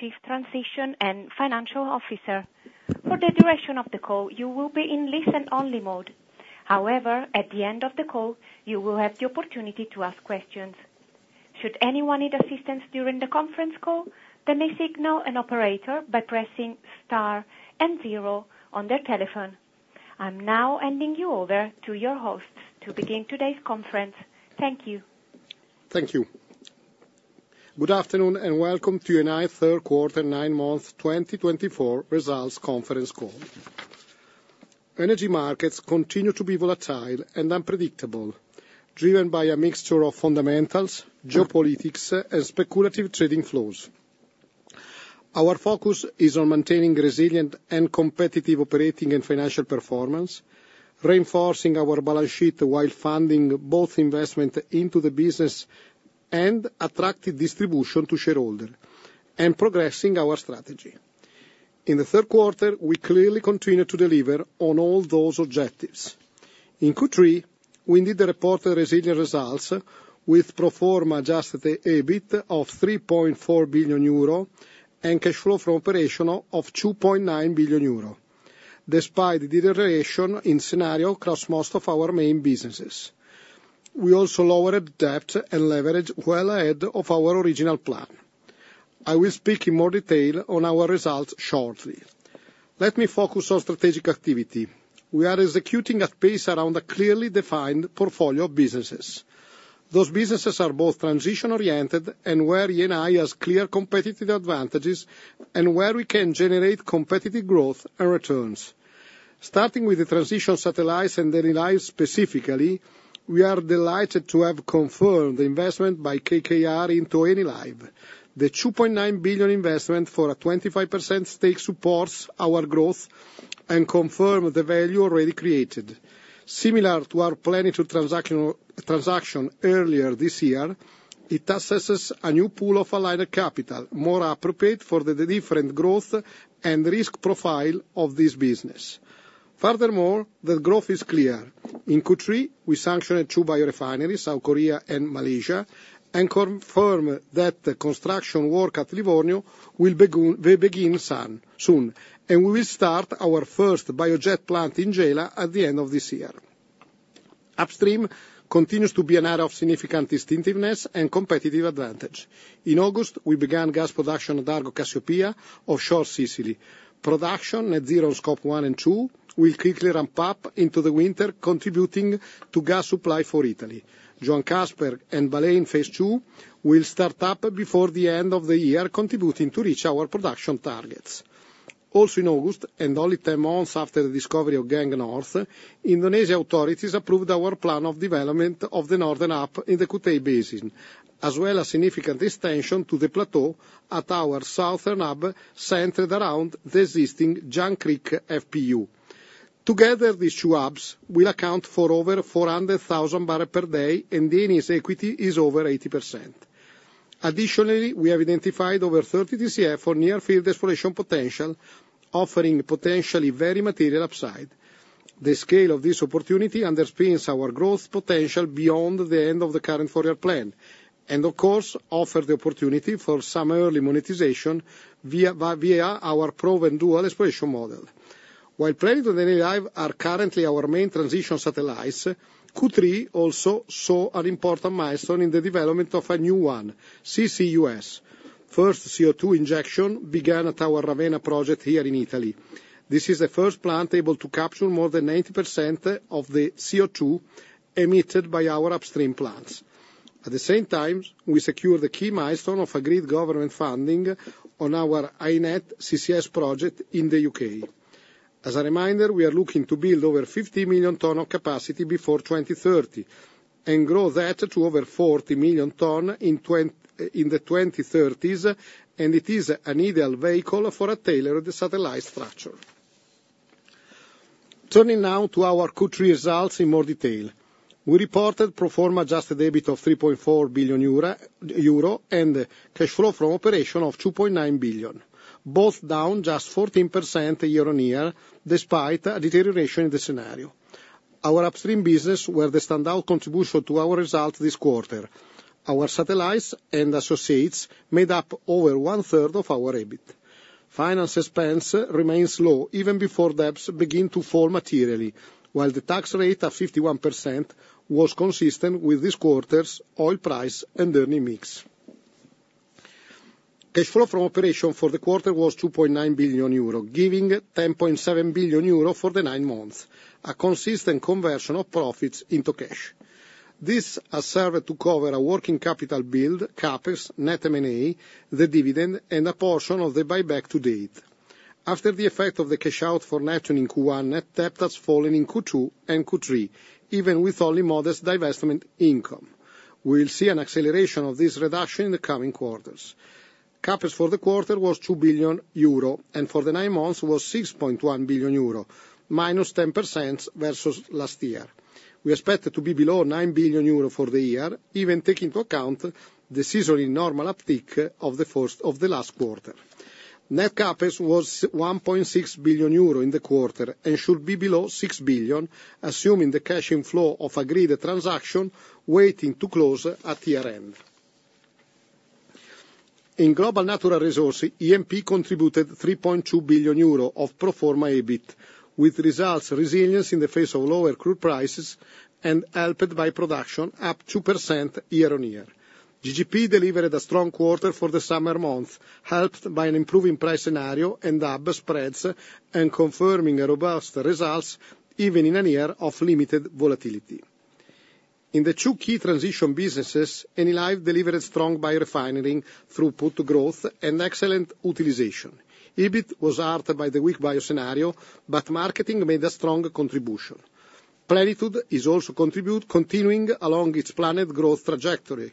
Chief Transition and Financial Officer. For the duration of the call, you will be in listen-only mode. However, at the end of the call, you will have the opportunity to ask questions. Should anyone need assistance during the conference call, they may signal an operator by pressing star and zero on their telephone. I'm now handing you over to your host to begin today's conference. Thank you. Thank you. Good afternoon, and welcome to Eni third quarter, nine-month 2024 results conference call. Energy markets continue to be volatile and unpredictable, driven by a mixture of fundamentals, geopolitics, and speculative trading flows. Our focus is on maintaining resilient and competitive operating and financial performance, reinforcing our balance sheet while funding both investment into the business and attractive distribution to shareholder, and progressing our strategy. In the third quarter, we clearly continued to deliver on all those objectives. In Q3, we did report resilient results with pro forma adjusted EBIT of 3.4 billion euro, and cash flow from operations of 2.9 billion euro, despite the deterioration in scenarios across most of our main businesses. We also lowered debt and leverage well ahead of our original plan. I will speak in more detail on our results shortly. Let me focus on strategic activities. We are executing at pace around a clearly defined portfolio of businesses. Those businesses are both transition-oriented and where Eni has clear competitive advantages, and where we can generate competitive growth and returns. Starting with the transition satellites and Enilive specifically, we are delighted to have confirmed the investment by KKR into Enilive. The 2.9 billion investment for a 25% stake supports our growth and confirm the value already created. Similar to our Plenitude transaction earlier this year, it accesses a new pool of aligned capital, more appropriate for the different growth and risk profile of this business. Furthermore, the growth is clear. In Q3, we sanctioned two biorefineries, South Korea and Malaysia, and confirm that the construction work at Livorno will begin soon, and we will start our first biojet plant in Gela at the end of this year. Upstream continues to be an area of significant distinctiveness and competitive advantage. In August, we began gas production at Argo Cassiopea, offshore Sicily. Production, net zero, Scope 1 and 2, will quickly ramp up into the winter, contributing to gas supply for Italy. Johan Castberg and Baleine Phase Two will start up before the end of the year, contributing to reach our production targets. Also, in August, and only 10 months after the discovery of Geng North, Indonesian authorities approved our plan of development of the northern hub in the Kutai Basin, as well as significant extension to the plateau at our southern hub, centered around the existing Jangkrik FPU. Together, these two hubs will account for over 400,000 barrels per day, and Eni's equity is over 80%. Additionally, we have identified over 30 TCF for near field exploration potential, offering potentially very material upside. The scale of this opportunity underpins our growth potential beyond the end of the current four-year plan, and of course, offers the opportunity for some early monetization via our proven dual exploration model. While Plenitude and Enilive are currently our main transition satellites, Q3 also saw an important milestone in the development of a new one, CCUS. First, CO2 injection began at our Ravenna project here in Italy. This is the first plant able to capture more than 90% of the CO2 emitted by our upstream plants. At the same time, we secure the key milestone of agreed government funding on our HyNet CCS project in the U.K. As a reminder, we are looking to build over 50 million tons of capacity before 2030, and grow that to over 40 million tons in the 2030s, and it is an ideal vehicle for a tailored satellite structure. Turning now to our Q3 results in more detail. We reported pro forma adjusted EBIT of 3.4 billion euro and cash flow from operations of 2.9 billion, both down just 14% year-on-year, despite a deterioration in the scenario. Our upstream business were the standout contribution to our results this quarter. Our satellites and associates made up over 1/3 of our EBIT. Finance expense remains low, even before debts begin to fall materially, while the tax rate of 51% was consistent with this quarter's oil price and earning mix. Cash flow from operations for the quarter was 2.9 billion euro, giving 10.7 billion euro for the nine months, a consistent conversion of profits into cash. This has served to cover a working capital build, CapEx, net M&A, the dividend, and a portion of the buyback to date. After the effect of the cash out for Neptune in Q1, net debt has fallen in Q2 and Q3, even with only modest divestment income. We'll see an acceleration of this reduction in the coming quarters. CapEx for the quarter was 2 billion euro, and for the nine months was 6.1 billion euro, minus 10% versus last year. We expect it to be below 9 billion euro for the year, even taking into account the seasonally normal uptick of the last quarter. Net CapEx was 1.6 billion euro in the quarter, and should be below 6 billion, assuming the cash inflow of agreed transaction waiting to close at year-end. In global natural resources, E&P contributed 3.2 billion euro of pro forma EBIT, with results resilience in the face of lower crude prices, and helped by production up 2% year-on-year. GGP delivered a strong quarter for the summer months, helped by an improving price scenario and hub spreads, and confirming a robust results, even in a year of limited volatility. In the two key transition businesses, Enilive delivered strong by refining throughput growth and excellent utilization. EBIT was hit by the weak bio scenario, but marketing made a strong contribution. Plenitude is also continuing along its planned growth trajectory.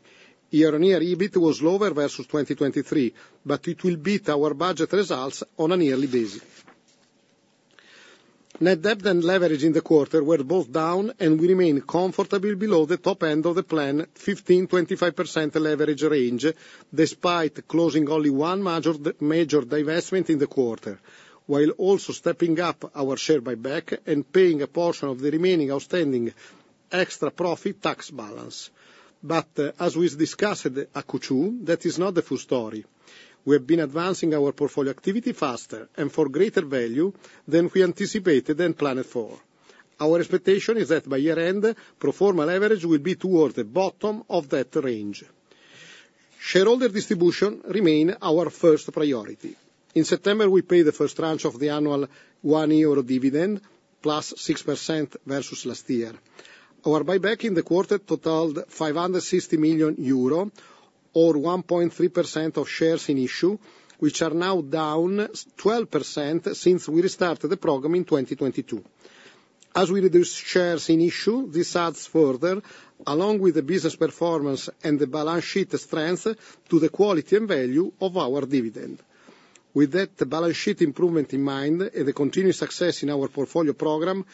Year-on-year EBIT was lower versus 2023, but it will beat our budget results on a yearly basis. Net debt and leverage in the quarter were both down, and we remain comfortably below the top end of the plan, 15%-25% leverage range, despite closing only one major, major divestment in the quarter, while also stepping up our share buyback and paying a portion of the remaining outstanding extra profit tax balance. But, as we discussed at Q2, that is not the full story. We have been advancing our portfolio activity faster and for greater value than we anticipated and planned for. Our expectation is that by year-end, pro forma leverage will be towards the bottom of that range. Shareholder distribution remain our first priority. In September, we paid the first tranche of the annual EUR 1 dividend, +6% versus last year. Our buyback in the quarter totaled 560 million euro, or 1.3% of shares in issue, which are now down 12% since we restarted the program in 2022. As we reduce shares in issue, this adds further, along with the business performance and the balance sheet strength, to the quality and value of our dividend. With that balance sheet improvement in mind, and the continued success in our portfolio program,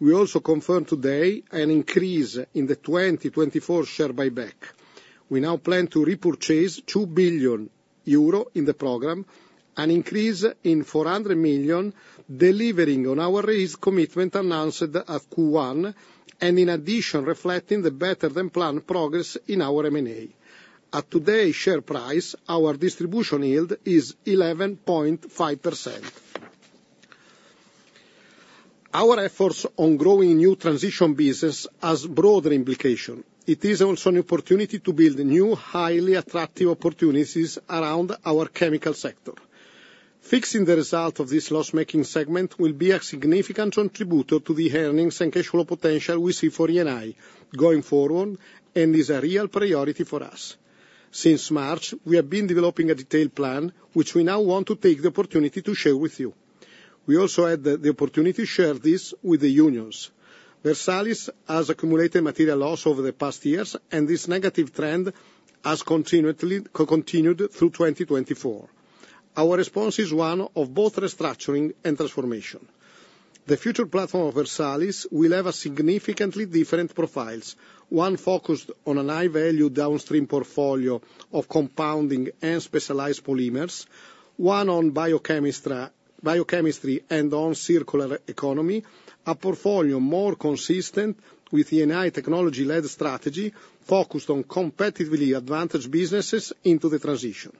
we also confirm today an increase in the 2024 share buyback. We now plan to repurchase 2 billion euro in the program, an increase in 400 million, delivering on our raised commitment announced at Q1, and in addition, reflecting the better-than-planned progress in our M&A. At today's share price, our distribution yield is 11.5%. Our efforts on growing new transition business has broader implication. It is also an opportunity to build new, highly attractive opportunities around our chemical sector. Fixing the result of this loss-making segment will be a significant contributor to the earnings and cash flow potential we see for Eni going forward, and is a real priority for us. Since March, we have been developing a detailed plan, which we now want to take the opportunity to share with you. We also had the opportunity to share this with the unions. Versalis has accumulated material loss over the past years, and this negative trend has continuously continued through 2024. Our response is one of both restructuring and transformation. The future platform of Versalis will have a significantly different profile, one focused on a high-value downstream portfolio of compounding and specialized polymers, one on biochemistry and on circular economy, a portfolio more consistent with Eni technology-led strategy, focused on competitively advantaged businesses into the transition.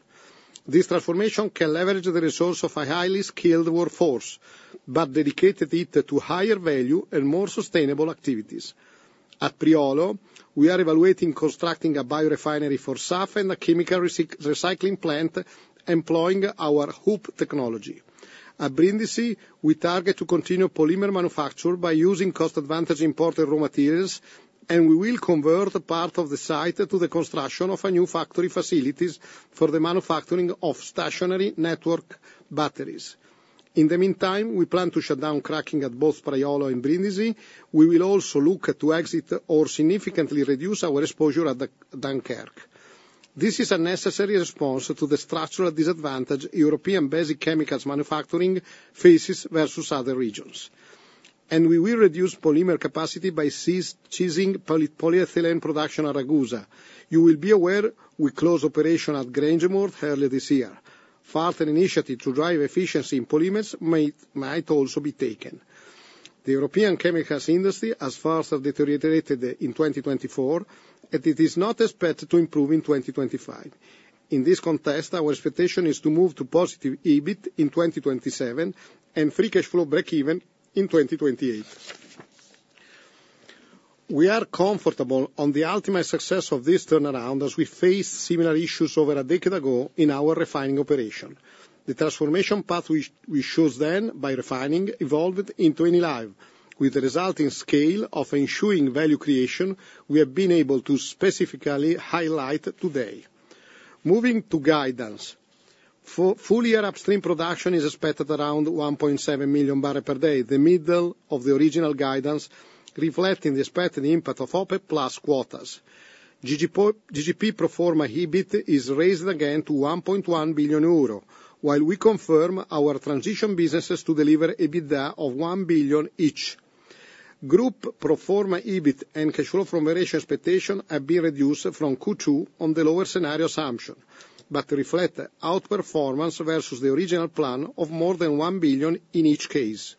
This transformation can leverage the resource of a highly skilled workforce, but dedicated it to higher value and more sustainable activities. At Priolo, we are evaluating constructing a biorefinery for SAF and a chemical recycling plant employing our Hoop technology. At Brindisi, we target to continue polymer manufacture by using cost advantage imported raw materials, and we will convert part of the site to the construction of a new factory facilities for the manufacturing of stationary network batteries. In the meantime, we plan to shut down cracking at both Priolo and Brindisi. We will also look to exit or significantly reduce our exposure at the Dunkirk. This is a necessary response to the structural disadvantage European basic chemicals manufacturing faces versus other regions. And we will reduce polymer capacity by ceasing polyethylene production at Ragusa. You will be aware, we closed operations at Grangemouth earlier this year. Further initiative to drive efficiency in polymers may also be taken. The European chemicals industry has further deteriorated in 2024, and it is not expected to improve in 2025. In this context, our expectation is to move to positive EBIT in 2027, and free cash flow breakeven in 2028. We are comfortable on the ultimate success of this turnaround, as we faced similar issues over a decade ago in our refining operation. The transformation path we chose then by refining evolved into Enilive, with the resulting scale of ensuring value creation we have been able to specifically highlight today. Moving to guidance. Full year upstream production is expected around 1.7 million barrel per day, the middle of the original guidance, reflecting the expected impact of OPEC+ quotas. GGP pro forma EBIT is raised again to 1.1 billion euro, while we confirm our transition businesses to deliver EBITDA of 1 billion each. Group pro forma EBIT and cash flow from variation expectation have been reduced from Q2 on the lower scenario assumption, but reflect outperformance versus the original plan of more than 1 billion in each case.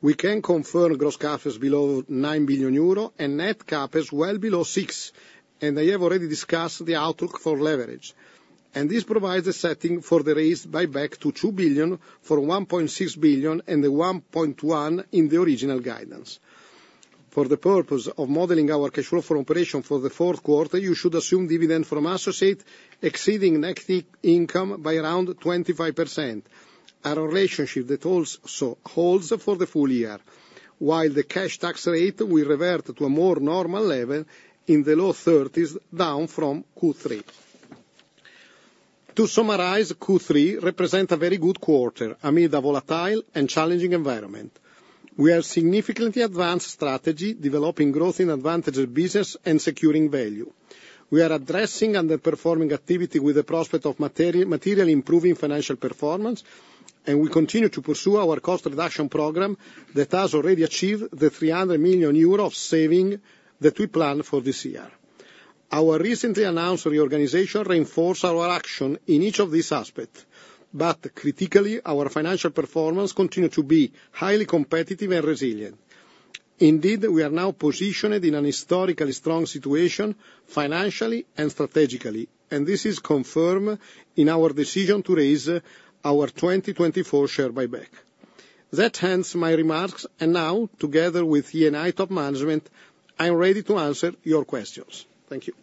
We can confirm gross CapEx is below 9 billion euro and net CapEx is well below 6 billion, and I have already discussed the outlook for leverage. This provides a setting for the raised buyback to 2 billion from 1.6 billion, and the 1.1 in the original guidance. For the purpose of modeling our cash flow from operations for the fourth quarter, you should assume dividend from associate exceeding net income by around 25%, a relationship that also holds for the full year, while the cash tax rate will revert to a more normal level in the low 30s%, down from Q3. To summarize, Q3 represent a very good quarter amid a volatile and challenging environment. We are significantly advanced strategy, developing growth in advantage business and securing value. We are addressing underperforming activity with the prospect of materially improving financial performance, and we continue to pursue our cost reduction program that has already achieved 300 million euro of savings that we planned for this year. Our recently announced reorganization reinforce our action in each of these aspects, but critically, our financial performance continue to be highly competitive and resilient. Indeed, we are now positioned in a historically strong situation, financially and strategically, and this is confirmed in our decision to raise our 2024 share buyback. That ends my remarks, and now, together with Eni top management, I am ready to answer your questions. Thank you.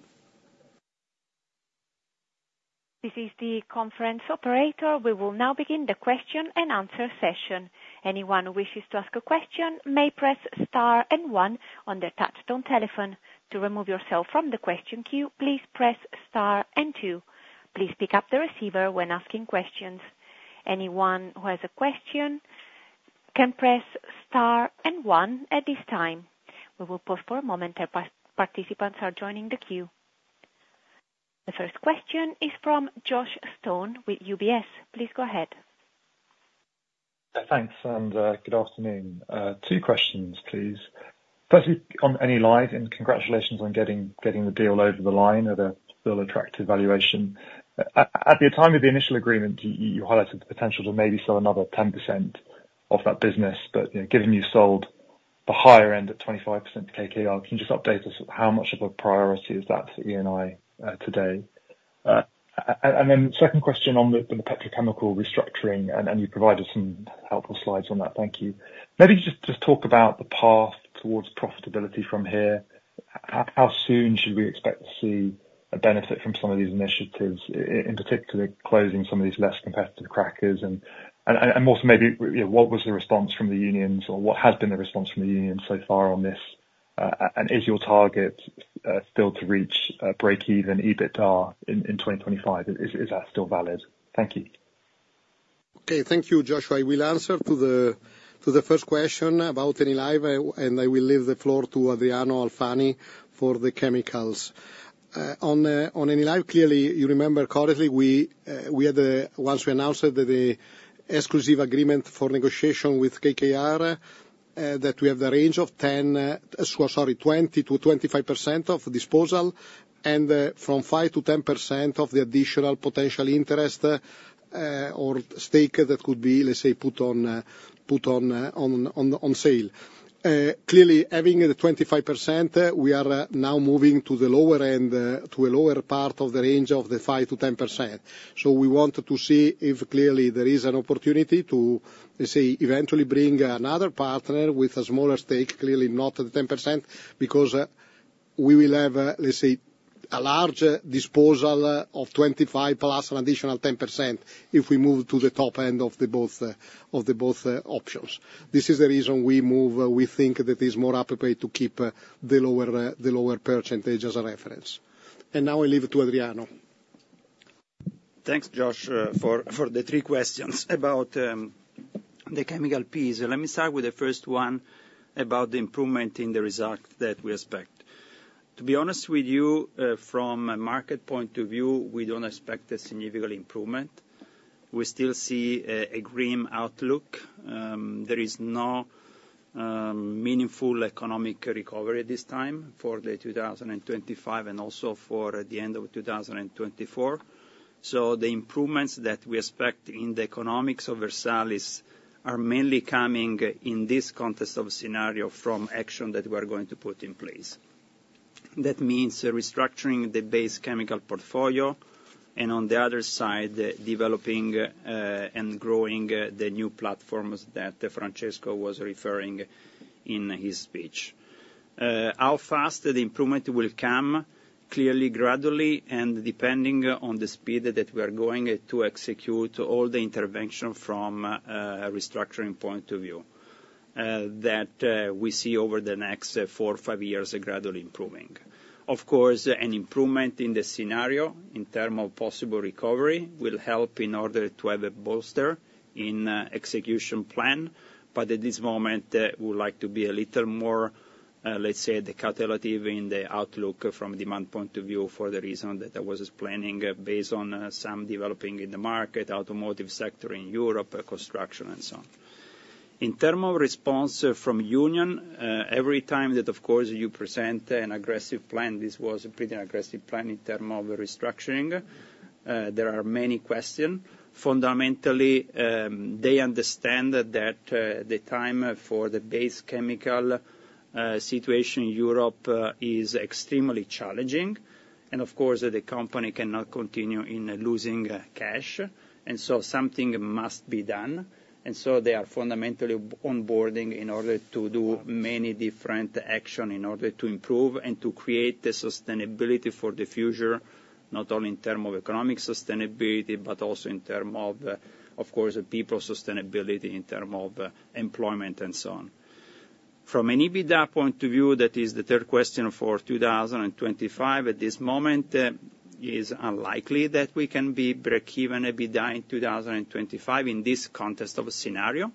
This is the conference operator. We will now begin the question-and-answer session. Anyone who wishes to ask a question may press star and one on their touchtone telephone. To remove yourself from the question queue, please press star and two. Please pick up the receiver when asking questions. Anyone who has a question can press star and one at this time. We will pause for a moment as participants are joining the queue. The first question is from Joshua Stone with UBS. Please go ahead. Thanks, and good afternoon. Two questions, please. Firstly, on Enilive, and congratulations on getting the deal over the line at a still attractive valuation. At the time of the initial agreement, you highlighted the potential to maybe sell another 10% of that business, but, you know, given you sold the higher end at 25% to KKR, can you just update us on how much of a priority is that to Eni today? And then second question on the petrochemical restructuring, and you provided some helpful slides on that. Thank you. Maybe just talk about the path towards profitability from here. How soon should we expect to see a benefit from some of these initiatives, in particular, closing some of these less competitive crackers? Also maybe, you know, what was the response from the unions, or what has been the response from the union so far on this? And is your target still to reach breakeven EBITDA in 2025? Is that still valid? Thank you. Okay, thank you, Josh. I will answer to the first question about Enilive, and I will leave the floor to Adriano Alfani for the chemicals. On Enilive, clearly, you remember correctly, we had, once we announced the exclusive agreement for negotiation with KKR, that we have the range of 10, so sorry, 20%-25% of the disposal, and, from 5%-10% of the additional potential interest, or stake that could be, let's say, put on sale. Clearly, having the 25%, we are now moving to the lower end, to a lower part of the range of the 5%-10%. We want to see if clearly there is an opportunity to, let's say, eventually bring another partner with a smaller stake, clearly not at the 10%, because we will have, let's say, a large disposal of 25%, plus an additional 10% if we move to the top end of both options. This is the reason we move. We think that it is more appropriate to keep the lower percentage as a reference. And now I leave it to Adriano. Thanks, Josh, for the three questions about the chemical piece. Let me start with the first one about the improvement in the result that we expect. To be honest with you, from a market point of view, we don't expect a significant improvement. We still see a grim outlook. There is no meaningful economic recovery this time for 2025 and also for the end of 2024. So the improvements that we expect in the economics of Versalis are mainly coming in this context of scenario from action that we are going to put in place. That means restructuring the base chemical portfolio, and on the other side, developing and growing the new platforms that Francesco was referring to in his speech. How fast the improvement will come? Clearly, gradually, and depending on the speed that we are going to execute all the intervention from a restructuring point of view, that we see over the next four, five years gradually improving. Of course, an improvement in the scenario in terms of possible recovery will help in order to have a bolster in the execution plan, but at this moment, we would like to be a little more cautious, let's say, in the outlook from demand point of view, for the reasons that I was explaining, based on some developments in the market, automotive sector in Europe, construction, and so on. In terms of response from union, every time that, of course, you present an aggressive plan, this was a pretty aggressive plan in terms of restructuring, there are many questions. Fundamentally, they understand that the time for the base chemical situation in Europe is extremely challenging, and of course, the company cannot continue in losing cash, and so something must be done. And so they are fundamentally on boarding in order to do many different action, in order to improve and to create the sustainability for the future, not only in term of economic sustainability, but also in term of, of course, people sustainability, in term of employment, and so on. From an EBITDA point of view, that is the third question for 2025, at this moment, is unlikely that we can be breakeven EBITDA in 2025 in this context of a scenario.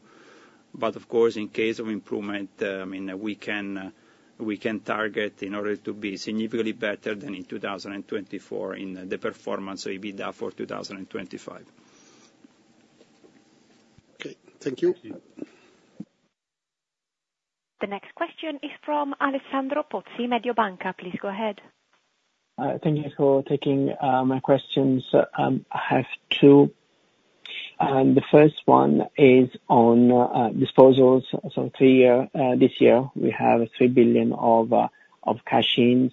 But of course, in case of improvement, I mean, we can target in order to be significantly better than in 2024 in the performance of EBITDA for 2025. Okay, thank you. The next question is from Alessandro Pozzi, Mediobanca, please go ahead. Thank you for taking my questions. I have two. The first one is on disposals. So three-year, this year, we have 3 billion of cash-in.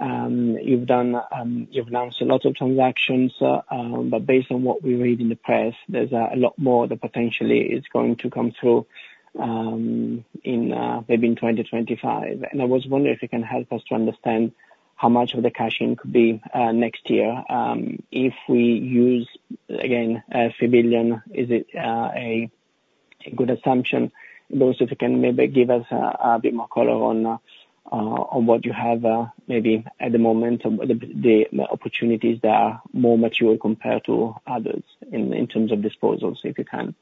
You've done, you've announced a lot of transactions, but based on what we read in the press, there's a lot more that potentially is going to come through in maybe in 2025. And I was wondering if you can help us to understand how much of the cash-in could be next year. If we use, again, EUR 3 billion, is it a good assumption? Also, if you can maybe give us a bit more color on what you have, maybe at the moment, the opportunities that are more mature compared to others in terms of disposals, if you can.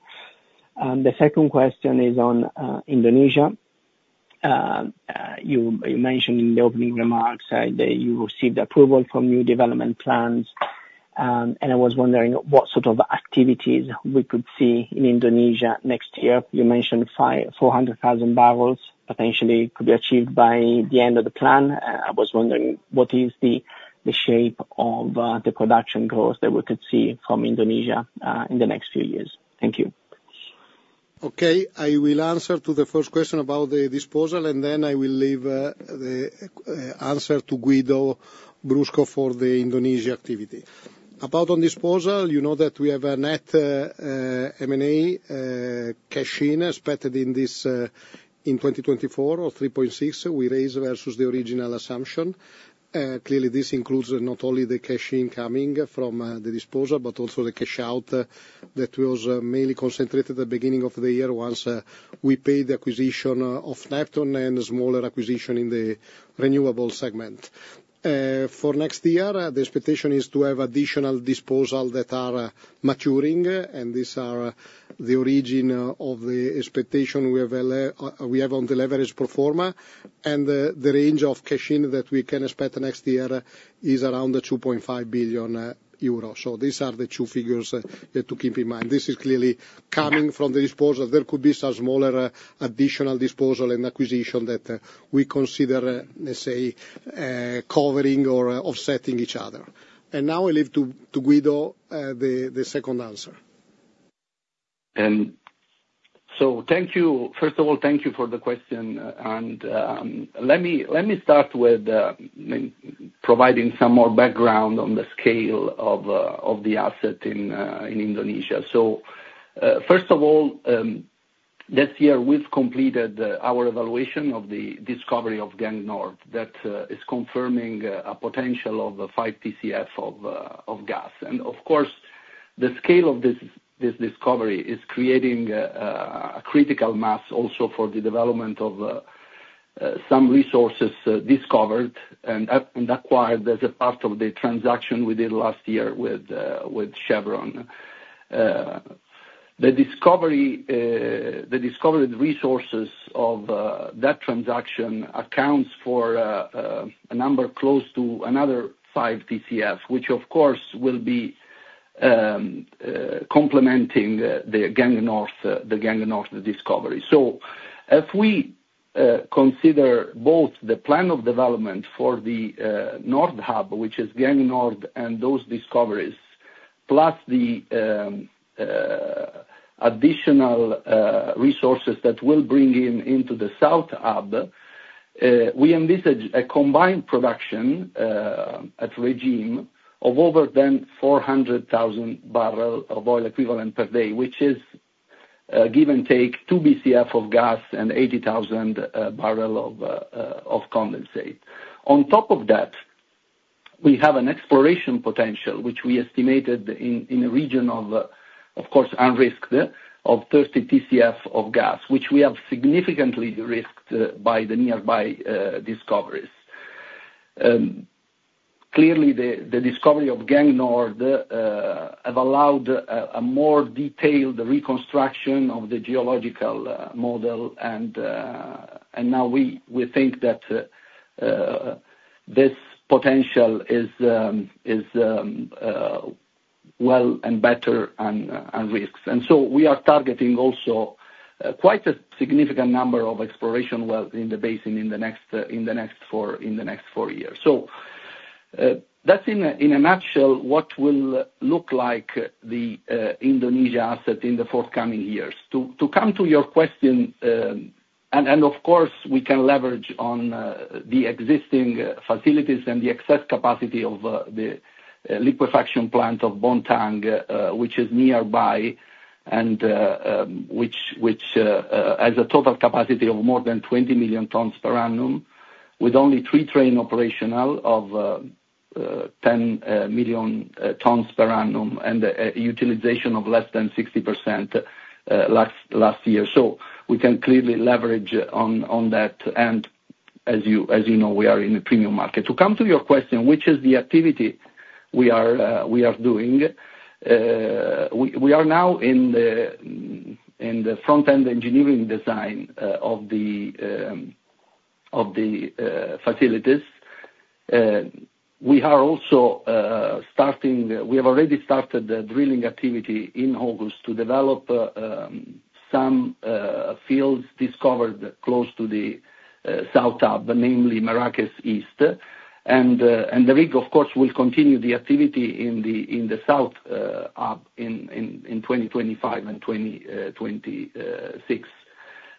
The second question is on Indonesia. You mentioned in the opening remarks that you received approval from new development plans. And I was wondering what sort of activities we could see in Indonesia next year. You mentioned 540,000 barrels potentially could be achieved by the end of the plan. I was wondering, what is the shape of the production growth that we could see from Indonesia in the next few years? Thank you. Okay, I will answer to the first question about the disposal, and then I will leave the answer to Guido Brusco for the Indonesia activity. About the disposal, you know that we have a net M&A cash in expected in 2024 of 3.6 billion we raised versus the original assumption. Clearly, this includes not only the cash in coming from the disposal, but also the cash out that was mainly concentrated at the beginning of the year, once we paid the acquisition of Neptune and the smaller acquisition in the renewable segment. For next year, the expectation is to have additional disposal that are maturing, and these are the origin of the expectation we have on the leverage pro forma, and the range of cash in that we can expect next year is around 2.5 billion euros. So these are the two figures to keep in mind. This is clearly coming from the disposal. There could be some smaller additional disposal and acquisition that we consider, let's say, covering or offsetting each other. And now I leave to Guido the second answer. Thank you. First of all, thank you for the question, and let me start with providing some more background on the scale of the asset in Indonesia. First of all, this year we've completed our evaluation of the discovery of Geng North that is confirming a potential of five TCF of gas. And of course, the scale of this discovery is creating a critical mass also for the development of some resources discovered and acquired as a part of the transaction we did last year with Chevron. The discovery, the discovered resources of a number close to another five TCF, which of course will be complementing the Geng North discovery. So if we consider both the plan of development for the North Hub, which is Geng North, and those discoveries, plus the additional resources that we'll bring in into the South Hub, we envisage a combined production at regime of over than four hundred thousand barrel of oil equivalent per day, which is give and take two BCF of gas and eighty thousand barrel of condensate. On top of that, we have an exploration potential, which we estimated in the region of, of course, unrisked, of 30 TCF of gas, which we have significantly de-risked by the nearby discoveries. Clearly the discovery of Geng North have allowed a more detailed reconstruction of the geological model. Now we think that this potential is well and better and risks. We are targeting also quite a significant number of exploration wells in the basin in the next four years. That's in a nutshell what will look like the Indonesia asset in the forthcoming years. To come to your question, and of course, we can leverage on the existing facilities and the excess capacity of the liquefaction plant of Bontang, which is nearby, and which has a total capacity of more than 20 million tons per annum, with only three trains operational of 10 million tons per annum, and utilization of less than 60% last year, so we can clearly leverage on that, and as you know, we are in a premium market. To come to your question, which is the activity we are doing, we are now in the front-end engineering design of the facilities. We are also. We have already started the drilling activity in August to develop some fields discovered close to the south hub, namely Merakes East. The rig, of course, will continue the activity in the south hub in 2025 and 2026.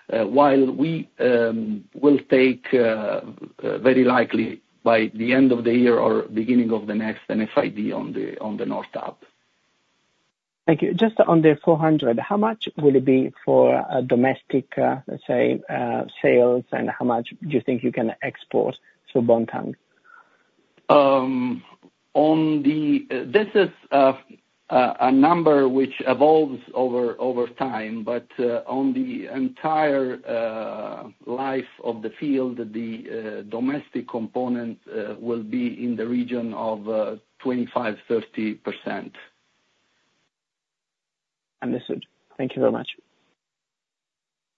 While we will take very likely by the end of the year or beginning of the next, an FID on the North hub. Thank you. Just on the four hundred, how much will it be for a domestic, let's say, sales, and how much do you think you can export to Bontang? This is a number which evolves over time. But on the entire life of the field, the domestic component will be in the region of 25% to 30%. Understood. Thank you very much.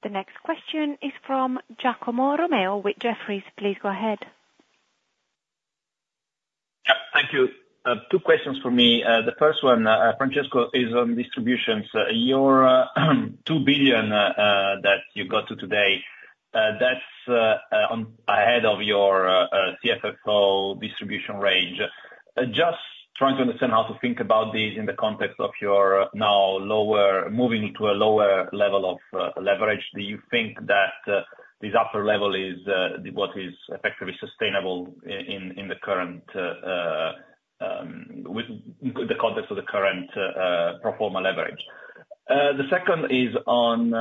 The next question is from Giacomo Romeo with Jefferies. Please go ahead. Yeah, thank you. Two questions for me. The first one, Francesco, is on distributions. Your 2 billion that you got to today, that's ahead of your CFFO distribution range. Just trying to understand how to think about this in the context of your now lower moving to a lower level of leverage. Do you think that this upper level is what is effectively sustainable in the current with the context of the current pro forma leverage? The second is on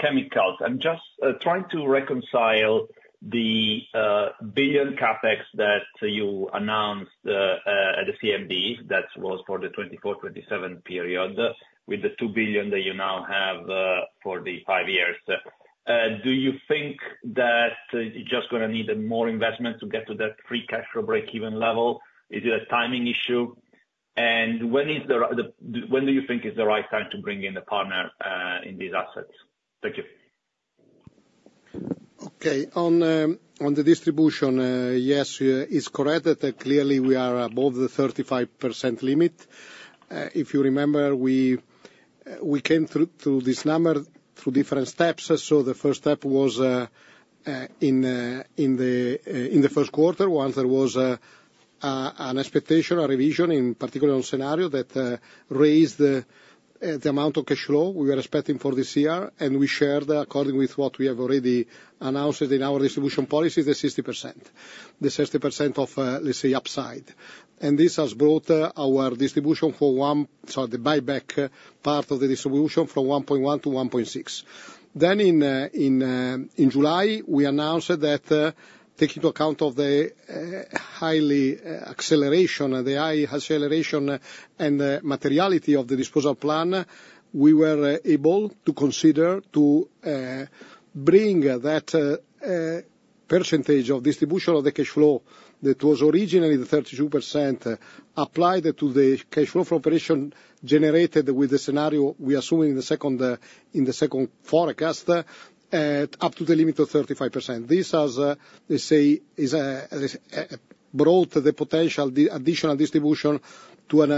chemicals. I'm just trying to reconcile the 1 billion CapEx that you announced at the CMD, that was for the 2024, 2027 period, with the 2 billion that you now have for the five years. Do you think that you're just gonna need more investment to get to that free cash flow breakeven level? Is it a timing issue? And when is the... When do you think is the right time to bring in a partner, in these assets? Thank you. Okay. On the distribution, yes, it's correct that clearly we are above the 35% limit. If you remember, we came through this number through different steps. So the first step was in the first quarter, once there was an expectation, a revision, in particular on scenario, that raised the amount of cash flow we are expecting for this year. And we shared, according to what we have already announced in our distribution policy, the 60%. The 60% of, let's say, upside. And this has brought our distribution for one – sorry, the buyback part of the distribution, from 1.1 to 1.6. In July, we announced that, taking into account the high acceleration and the materiality of the disposal plan, we were able to consider to bring that percentage of distribution of the cash flow that was originally the 32%, applied it to the cash flow from operation generated with the scenario we are assuming in the second forecast, up to the limit of 35%. This has, let's say, brought the potential additional distribution to an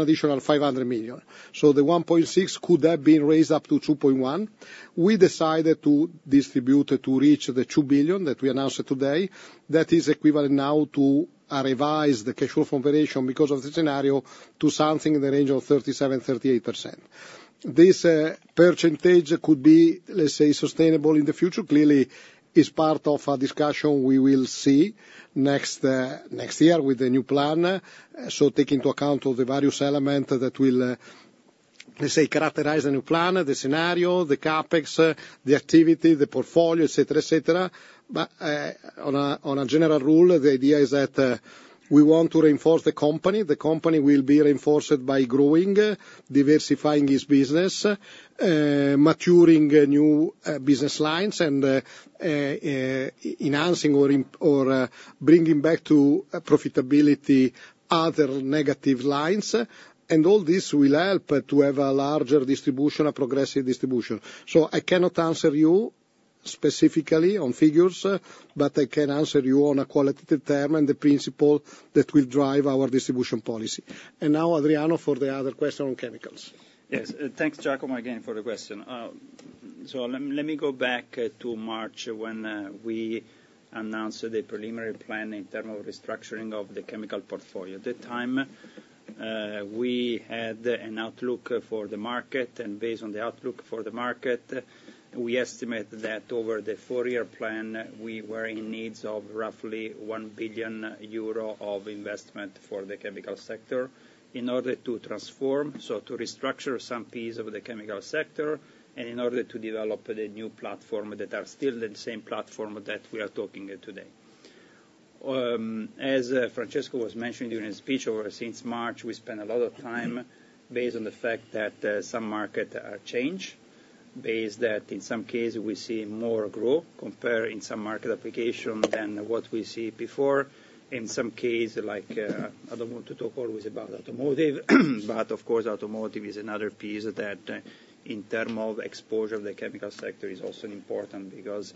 additional 500 million. So the 1.6 billion could have been raised up to 2.1 billion. We decided to distribute it to reach the 2 billion that we announced today. That is equivalent now to revise the cash flow from operation because of the scenario, to something in the range of 37%-38%. This percentage could be, let's say, sustainable in the future. Clearly, it's part of a discussion we will see next year with the new plan. So take into account all the various elements that will, let's say, characterize the new plan, the scenario, the CapEx, the activity, the portfolio, et cetera, et cetera. But on a general rule, the idea is that we want to reinforce the company. The company will be reinforced by growing, diversifying its business, maturing new business lines, and enhancing or bringing back to profitability other negative lines. All this will help to have a larger distribution, a progressive distribution. So I cannot answer you specifically on figures, but I can answer you on a qualitative term and the principle that will drive our distribution policy. And now, Adriano, for the other question on chemicals. Yes. Thanks, Giacomo, again, for the question, so let me go back to March, when we announced the preliminary plan in terms of restructuring of the chemical portfolio. At the time, we had an outlook for the market, and based on the outlook for the market, we estimated that over the four-year plan, we were in needs of roughly 1 billion euro of investment for the chemical sector in order to transform, so to restructure some piece of the chemical sector, and in order to develop the new platform that are still the same platform that we are talking today. As Francesco was mentioning during his speech, ever since March, we spent a lot of time based on the fact that some markets are changing, based on that in some cases we see more growth compared in some market applications than what we see before. In some cases, like, I don't want to talk always about automotive, but of course, automotive is another piece that, in terms of exposure, the chemical sector is also important because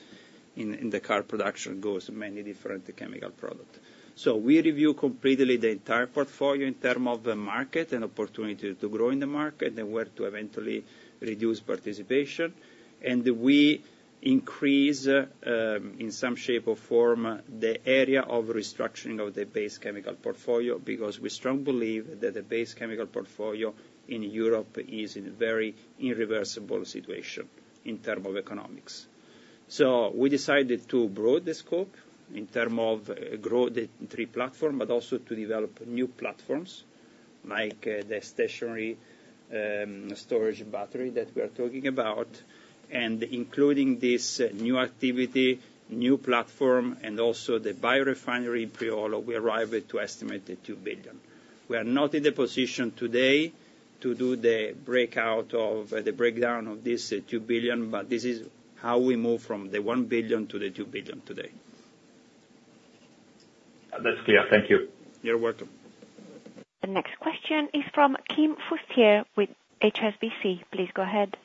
in the car production goes many different chemical products. So we reviewed completely the entire portfolio in terms of the market and opportunity to grow in the market, and where to eventually reduce participation. And we increase in some shape or form the area of restructuring of the base chemical portfolio, because we strongly believe that the base chemical portfolio in Europe is in a very irreversible situation in terms of economics. So we decided to broaden the scope in terms of grow the three platforms, but also to develop new platforms, like the stationary storage battery that we are talking about. And including this new activity, new platform, and also the biorefinery in Priolo, we arrive at to estimate the 2 billion. We are not in the position today to do the breakout of the breakdown of this 2 billion, but this is how we move from the 1 billion to the 2 billion today. That's clear. Thank you. You're welcome. The next question is from Kim Fustier with HSBC. Please go ahead.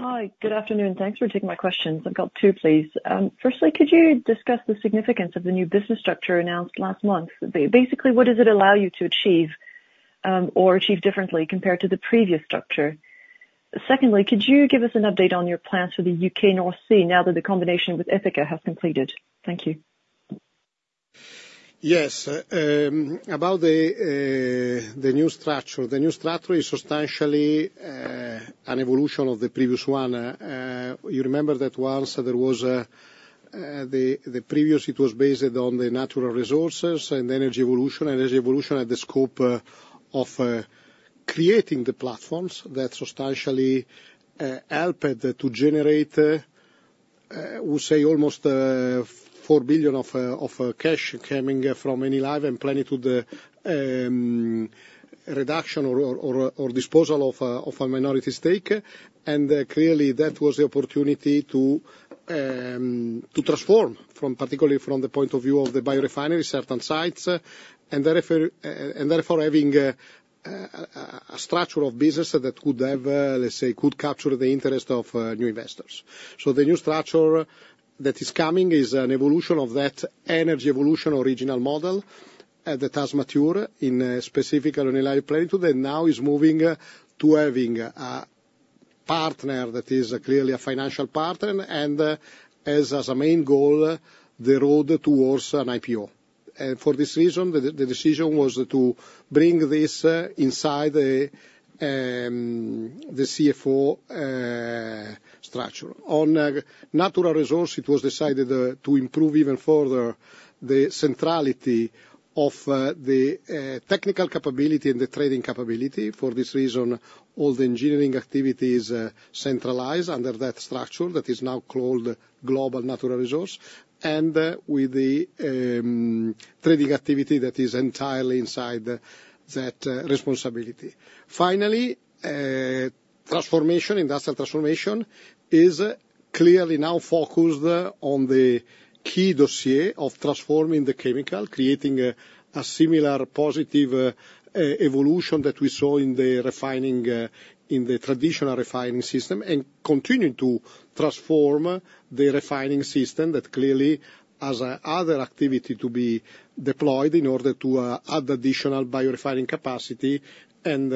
Hi, good afternoon. Thanks for taking my questions. I've got two, please. Firstly, could you discuss the significance of the new business structure announced last month? Basically, what does it allow you to achieve, or achieve differently compared to the previous structure? Secondly, could you give us an update on your plans for the U.K. North Sea, now that the combination with Ithaca has completed? Thank you. Yes, about the new structure. The new structure is substantially an evolution of the previous one. You remember that once there was the previous, it was based on the natural resources and energy evolution, and energy evolution had the scope of creating the platforms that substantially helped to generate, we say, almost 4 billion of cash coming from Enilive and Plenitude the reduction or disposal of a minority stake. And clearly, that was the opportunity to transform from, particularly from the point of view of the biorefinery certain sites, and therefore, having a structure of business that could have, let's say, could capture the interest of new investors. So the new structure that is coming is an evolution of that energy evolution original model that has matured, in specific on Enilive Plenitude, and now is moving to having a partner that is clearly a financial partner and has as a main goal the road towards an IPO. For this reason, the decision was to bring this inside the CFO structure. On natural resource, it was decided to improve even further the centrality of the technical capability and the trading capability. For this reason, all the engineering activities centralize under that structure that is now called Global Natural Resources, and with the trading activity that is entirely inside that responsibility. Finally, transformation, industrial transformation is clearly now focused on the key dossier of transforming the chemical, creating a similar positive evolution that we saw in the refining, in the traditional refining system, and continuing to transform the refining system that clearly has other activity to be deployed in order to add additional biorefining capacity, and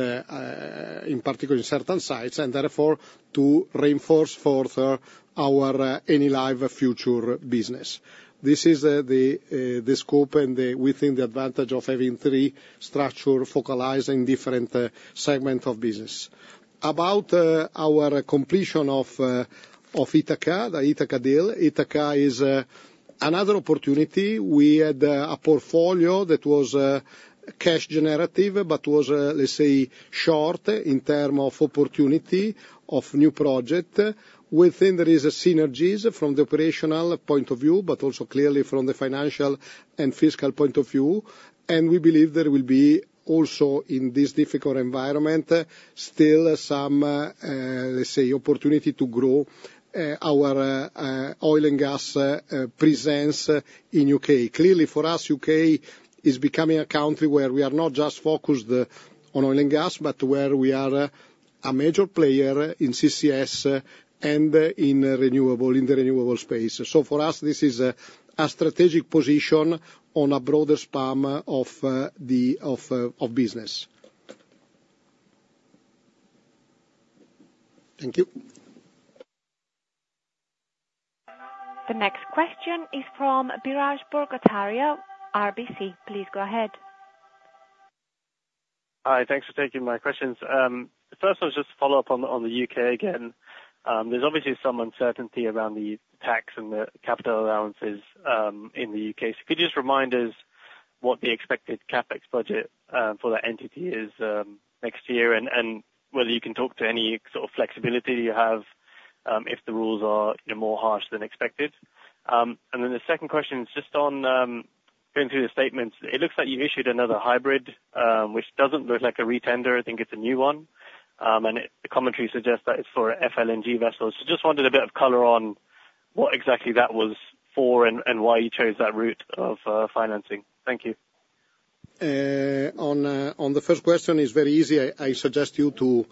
in particular, in certain sites, and therefore, to reinforce further our Enilive future business. This is the scope and we think the advantage of having three structure focalizing different segment of business. About our completion of Ithaca, the Ithaca deal, Ithaca is another opportunity. We had a portfolio that was cash generative, but was, let's say, short in term of opportunity of new project. Within there is synergies from the operational point of view, but also clearly from the financial and fiscal point of view, and we believe there will be also, in this difficult environment, still some, let's say, opportunity to grow our oil and gas presence in U.K. Clearly, for us, U.K. is becoming a country where we are not just focused on oil and gas, but where we are a major player in CCS, and in renewable, in the renewable space. So for us, this is a strategic position on a broader span of the business. Thank you. The next question is from Biraj Borkhataria, RBC. Please go ahead. Hi, thanks for taking my questions. First I'll just follow up on the U.K. again. There's obviously some uncertainty around the tax and the capital allowances in the U.K. So could you just remind us what the expected CapEx budget for that entity is next year, and whether you can talk to any sort of flexibility you have if the rules are, you know, more harsh than expected? And then the second question is just on going through the statements. It looks like you issued another hybrid which doesn't look like a retender. I think it's a new one, and, the commentary suggests that it's for FLNG vessels. So just wanted a bit of color on what exactly that was for, and why you chose that route of financing. Thank you. On the first question, it's very easy. I suggest you to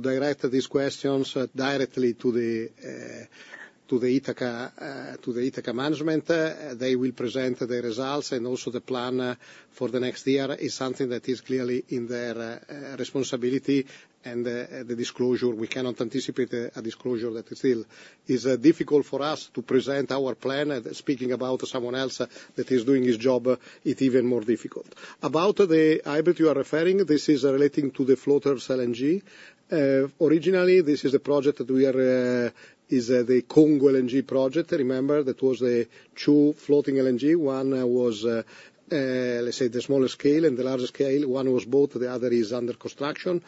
direct these questions directly to the Ithaca management. They will present the results and also the plan for the next year. It's something that is clearly in their responsibility and the disclosure. We cannot anticipate a disclosure that is still difficult for us to present our plan, and speaking about someone else that is doing his job, it's even more difficult. About the hybrid you are referring, this is relating to the floating LNG. Originally, this is a project that is the Congo LNG project. Remember, that was a true floating LNG. One was, let's say, the smaller scale and the larger scale. One was both, the other is under construction.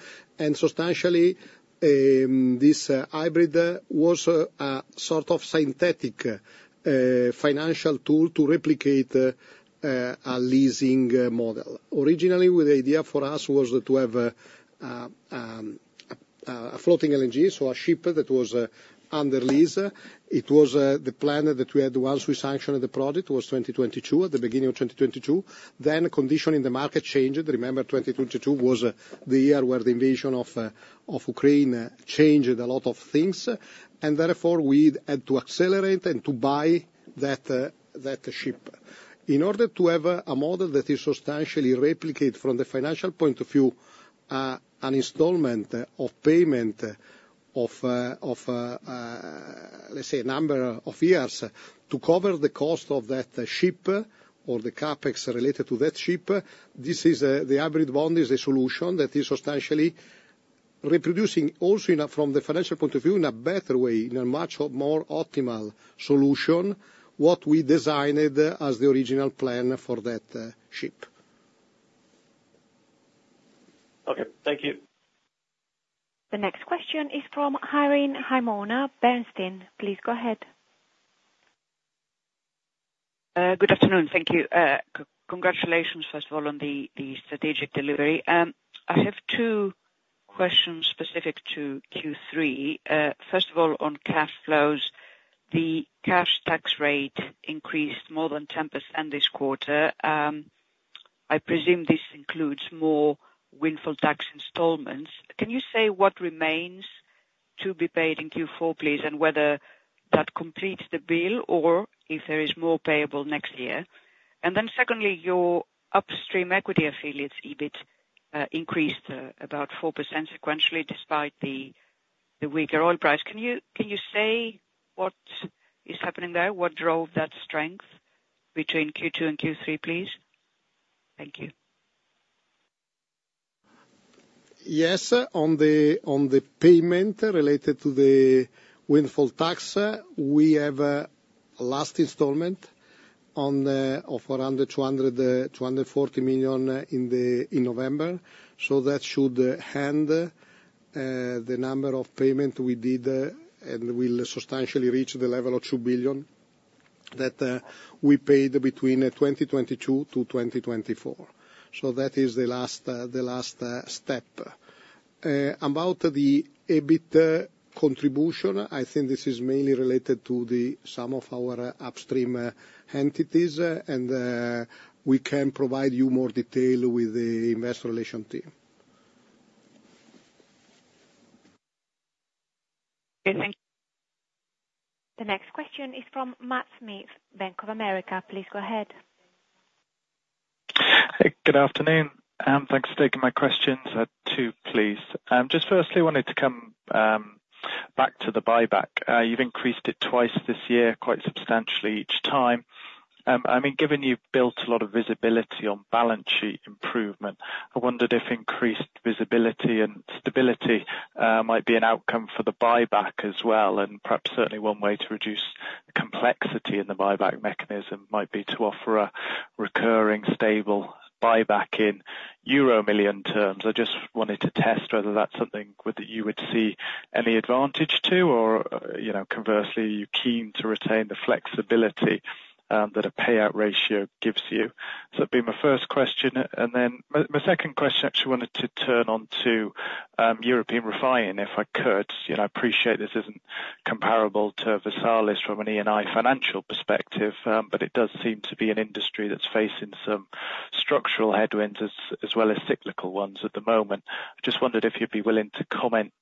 Substantially, this hybrid was a sort of synthetic financial tool to replicate a leasing model. Originally, the idea for us was to have a floating LNG, so a ship that was under lease. It was the plan that we had once we sanctioned the project, was 2022, at the beginning of 2022. Then conditions in the market changed. Remember, 2022 was the year where the invasion of Ukraine changed a lot of things, and therefore, we'd had to accelerate and to buy that ship. In order to have a model that is substantially replicate from the financial point of view, an installment of payment of, of, let's say, a number of years, to cover the cost of that ship, or the CapEx related to that ship, this is, the hybrid bond is a solution that is substantially reproducing also in a, from the financial point of view, in a better way, in a much more optimal solution, what we designed as the original plan for that, ship. Okay. Thank you. The next question is from Irene Himona, Bernstein. Please go ahead. Good afternoon. Thank you. Congratulations, first of all, on the strategic delivery. I have two questions specific to Q3. First of all, on cash flows, the cash tax rate increased more than 10% this quarter. I presume this includes more windfall tax installments. Can you say what remains to be paid in Q4, please, and whether that completes the bill, or if there is more payable next year? Then secondly, your upstream equity affiliates, EBIT, increased about 4% sequentially, despite the weaker oil price. Can you say what is happening there? What drove that strength between Q2 and Q3, please? Thank you. Yes. On the payment related to the windfall tax, we have a last installment of around 240 million in November. So that should end the number of payment we did, and will substantially reach the level of 2 billion that we paid between 2022 to 2024. So that is the last step. About the EBIT contribution, I think this is mainly related to some of our upstream entities, and we can provide you more detail with the investor relations team. Okay, thank you. The next question is from Matthew Smith, Bank of America. Please go ahead. Hey, good afternoon, and thanks for taking my questions. Two, please. Just firstly, wanted to come back to the buyback. You've increased it twice this year, quite substantially each time. I mean, given you've built a lot of visibility on balance sheet improvement, I wondered if increased visibility and stability might be an outcome for the buyback as well, and perhaps certainly one way to reduce the complexity in the buyback mechanism might be to offer a recurring stable buyback in euro million terms. I just wanted to test whether that's something you would see any advantage to, or, you know, conversely, are you keen to retain the flexibility that a payout ratio gives you? So that'd be my first question. And then my second question, I actually wanted to turn on to European refining, if I could. You know, I appreciate this isn't comparable to Versalis from an Eni financial perspective, but it does seem to be an industry that's facing some structural headwinds as, as well as cyclical ones at the moment. I just wondered if you'd be willing to comment,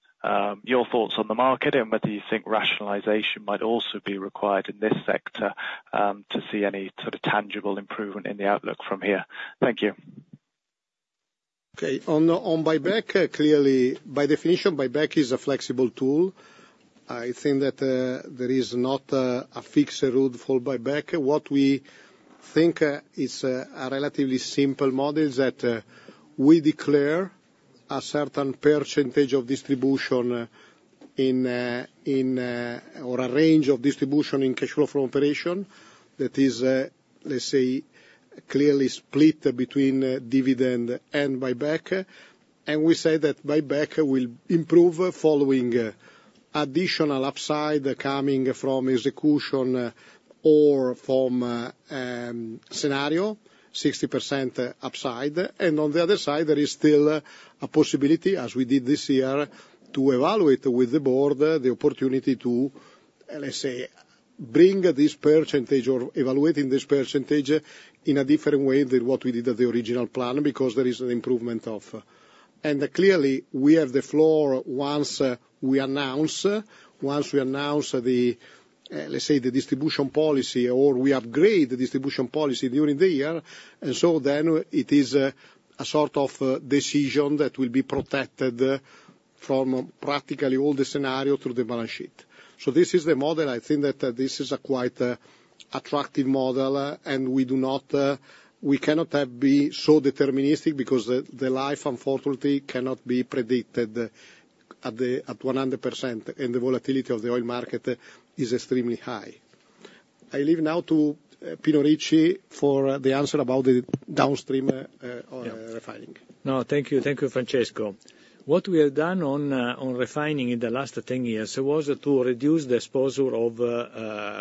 your thoughts on the market, and whether you think rationalization might also be required in this sector, to see any sort of tangible improvement in the outlook from here? Thank you.... Okay, on buyback, clearly, by definition, buyback is a flexible tool. I think that there is not a fixed rule for buyback. What we think is a relatively simple model is that we declare a certain percentage of distribution or a range of distribution in cash flow from operation. That is, let's say, clearly split between dividend and buyback. And we say that buyback will improve following additional upside coming from execution or from scenario 60% upside. And on the other side, there is still a possibility, as we did this year, to evaluate with the board the opportunity to, let's say, bring this percentage or evaluating this percentage in a different way than what we did at the original plan, because there is an improvement of. And clearly, we have the floor once we announce the, let's say, the distribution policy or we upgrade the distribution policy during the year, and so then it is a sort of decision that will be protected from practically all the scenario through the balance sheet. So this is the model. I think that this is a quite attractive model, and we do not, we cannot have been so deterministic because the life unfortunately cannot be predicted at one hundred percent, and the volatility of the oil market is extremely high. I leave now to Giuseppe Ricci for the answer about the downstream on refining. No, thank you. Thank you, Francesco. What we have done on refining in the last 10 years was to reduce the exposure of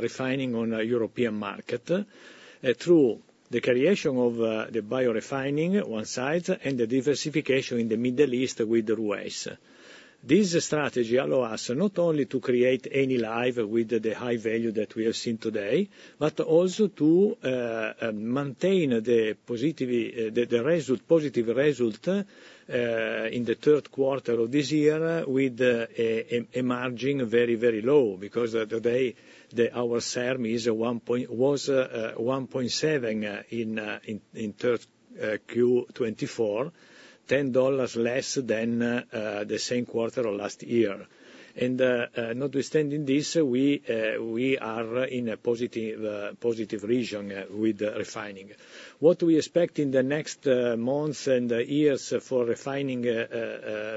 refining on a European market through the creation of the biorefining on one side, and the diversification in the Middle East with the Ruwais. This strategy allow us not only to create Enilive with the high value that we have seen today, but also to maintain the positive result in the third quarter of this year, with a margin very low. Because today, our margin was 1.7 in third Q 2024, $10 less than the same quarter of last year. Notwithstanding this, we are in a positive region with refining. What we expect in the next months and years for refining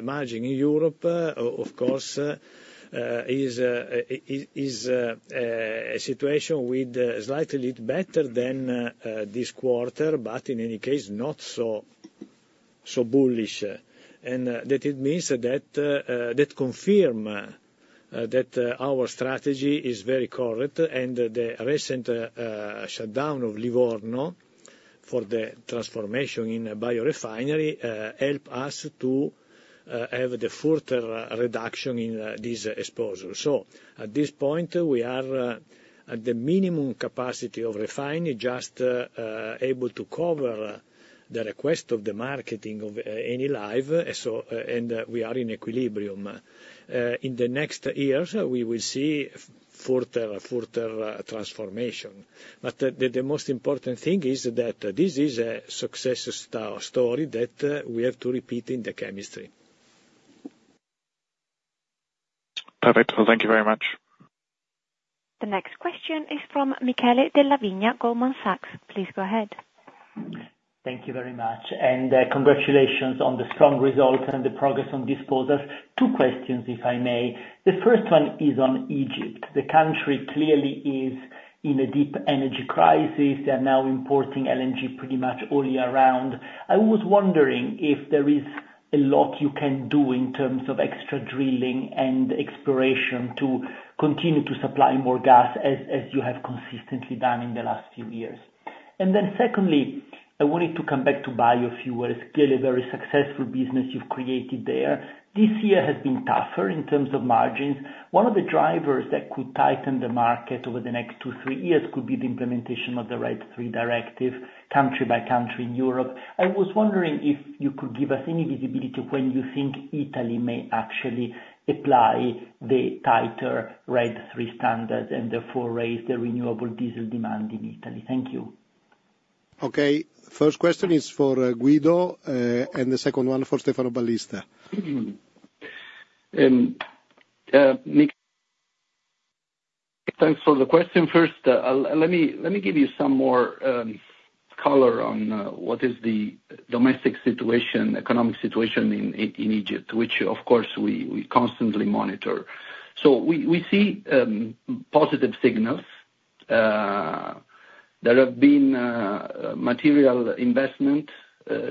margin in Europe, of course, is a situation with slightly better than this quarter, but in any case, not so bullish, and that it means that that confirm that our strategy is very correct, and the recent shutdown of Livorno for the transformation in biorefinery help us to have the further reduction in this exposure, so at this point, we are at the minimum capacity of refining, just able to cover the request of the marketing of Enilive, so and we are in equilibrium. In the next years, we will see further transformation. But the most important thing is that this is a success story that we have to repeat in the chemistry. Perfect. Well, thank you very much. The next question is from Michele Della Vigna, Goldman Sachs. Please go ahead. Thank you very much, and congratulations on the strong results and the progress on disposals. Two questions, if I may. The first one is on Egypt. The country clearly is in a deep energy crisis. They are now importing LNG pretty much all year round. I was wondering if there is a lot you can do in terms of extra drilling and exploration to continue to supply more gas, as you have consistently done in the last few years? And then secondly, I wanted to come back to biofuel. It's clearly a very successful business you've created there. This year has been tougher in terms of margins. One of the drivers that could tighten the market over the next two, three years could be the implementation of the RED III directive, country by country in Europe. I was wondering if you could give us any visibility when you think Italy may actually apply the tighter RED III standard, and therefore raise the renewable diesel demand in Italy? Thank you. Okay, first question is for Guido, and the second one for Stefano Ballista. Nick, thanks for the question. First, let me give you some more color on what is the domestic situation, economic situation in Egypt, which of course, we constantly monitor. So we see positive signals. There have been material investment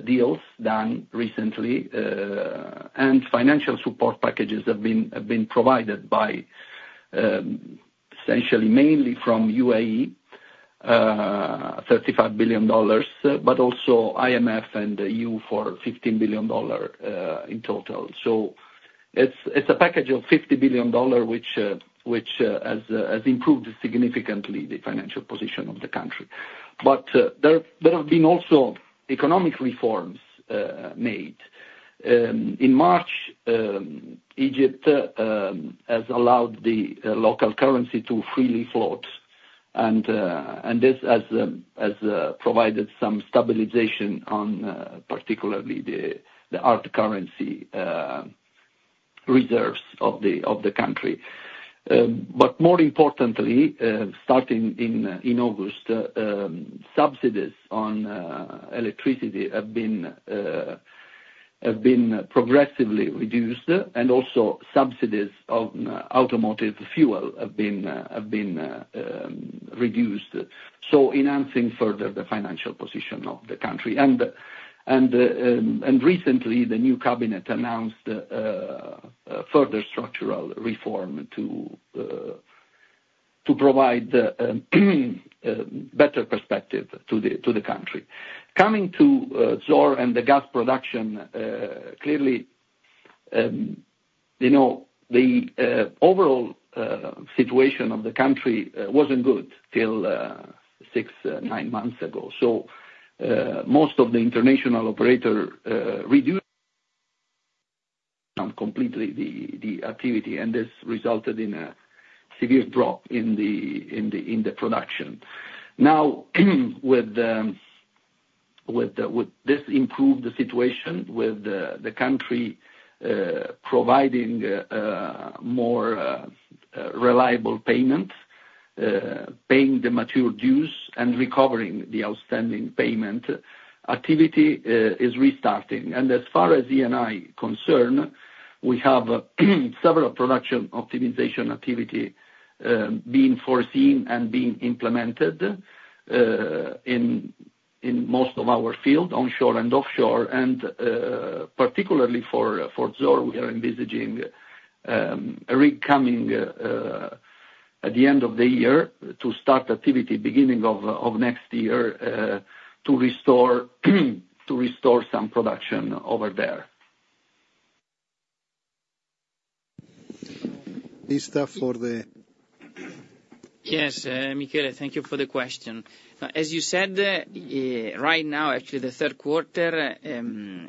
deals done recently, and financial support packages have been provided by essentially, mainly from UAE, $35 billion, but also IMF and EU for $15 billion in total. So it's a package of $50 billion which has improved significantly the financial position of the country. But, there have been also economic reforms made. In March, Egypt has allowed the local currency to freely float.... and this has provided some stabilization on, particularly the hard currency reserves of the country. But more importantly, starting in August, subsidies on electricity have been progressively reduced, and also subsidies on automotive fuel have been reduced, so enhancing further the financial position of the country. And recently, the new cabinet announced a further structural reform to provide better prospects to the country. Coming to Zohr and the gas production, clearly, you know, the overall situation of the country wasn't good till six to nine months ago. Most of the international operators reduced the activity completely, and this resulted in a serious drop in the production. Now, with this improved situation, with the country providing more reliable payments, paying the matured dues, and recovering the outstanding payment, activity is restarting. As far as Eni is concerned, we have several production optimization activities being foreseen and being implemented in most of our fields, onshore and offshore. Particularly for Zohr, we are envisaging a rig coming at the end of the year to start activities beginning of next year to restore some production over there.... This is stuff for the- Yes, Michele, thank you for the question. As you said, right now, actually the third quarter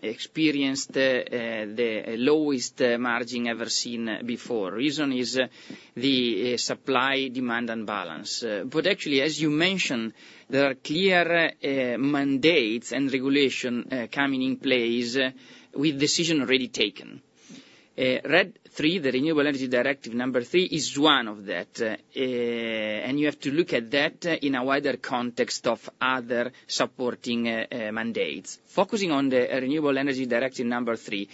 experienced the lowest margin ever seen before. Reason is the supply, demand, and balance. But actually, as you mentioned, there are clear mandates and regulation coming in place with decision already taken. RED III, the Renewable Energy Directive number three, is one of that, and you have to look at that in a wider context of other supporting mandates. Focusing on the Renewable Energy Directive number three,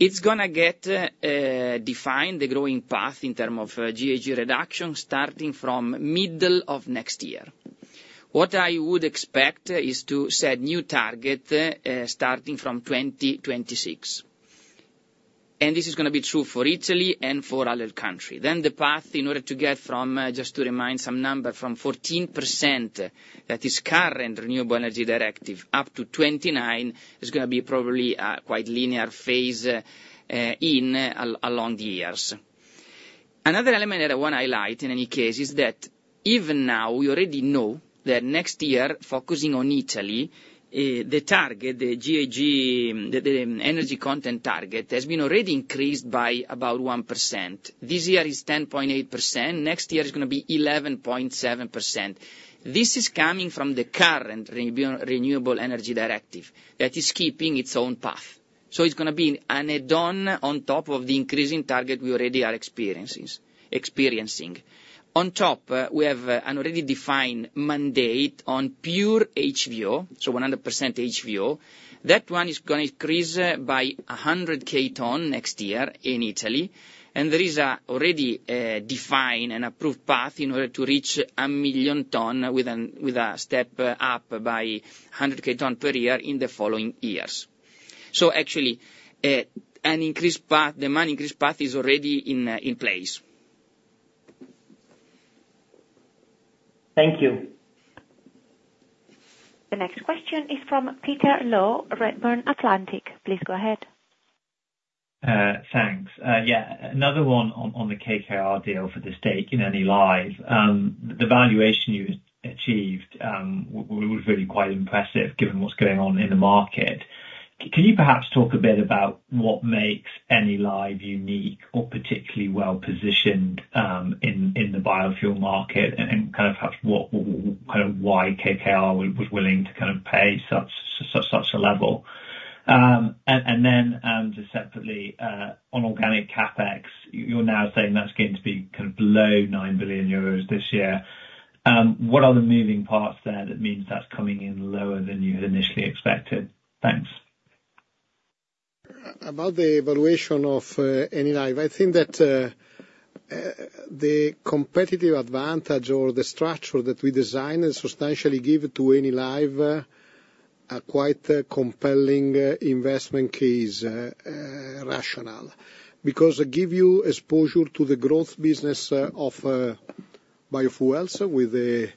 it's gonna get defined, the growing path in term of GHG reduction, starting from middle of next year. What I would expect is to set new target starting from 2026, and this is gonna be true for Italy and for other country. Then the path, in order to get from, just to remind some number, from 14%, that is current Renewable Energy Directive, up to 29%, is gonna be probably a quite linear phase, along the years. Another element that I wanna highlight, in any case, is that even now, we already know that next year, focusing on Italy, the target, the GHG, the energy content target, has been already increased by about 1%. This year is 10.8%, next year is gonna be 11.7%. This is coming from the current renewable energy directive that is keeping its own path. So it's gonna be an add-on, on top of the increasing target we already are experiencing. On top, we have an already defined mandate on pure HVO, so 100% HVO. That one is gonna increase by 100,000 ton next year in Italy, and there is a already defined and approved path in order to reach a million ton with a step up by 100,000 ton per year in the following years. So actually, an increased path, demand increase path is already in place. Thank you. The next question is from Peter Low, Redburn Atlantic. Please go ahead. Thanks. Yeah, another one on the KKR deal for the stake in Enilive. The valuation you achieved was really quite impressive, given what's going on in the market. Can you perhaps talk a bit about what makes Enilive unique or particularly well-positioned in the biofuel market, and kind of perhaps what kind of why KKR was willing to kind of pay such a level? And then, just separately, on organic CapEx, you're now saying that's going to be kind of below 9 billion euros this year. What are the moving parts there that means that's coming in lower than you had initially expected? Thanks. About the evaluation of Enilive, I think that the competitive advantage or the structure that we designed, and substantially give it to Enilive, are quite a compelling investment case, rationale. Because I give you exposure to the growth business of biofuels with a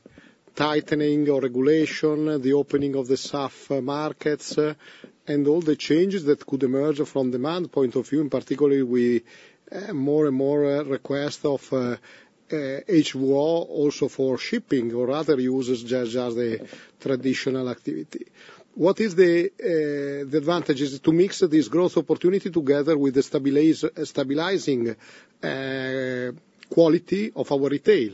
tightening of regulation, the opening of the SAF markets, and all the changes that could emerge from demand point of view, in particularly, we more and more request of HVO also for shipping or other users, just as the traditional activity. What is the advantage is to mix this growth opportunity together with the stabilizing quality of our retail.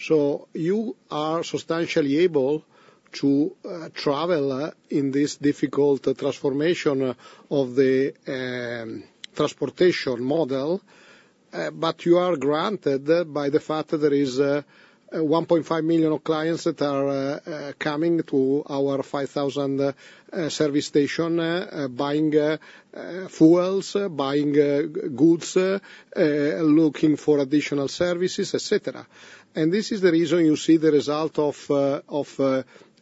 So you are substantially able to travel in this difficult transformation of the transportation model, but you are granted by the fact that there is 1.5 million clients that are coming to our 5,000 service stations, buying fuels, buying goods, looking for additional services, et cetera. And this is the reason you see the result of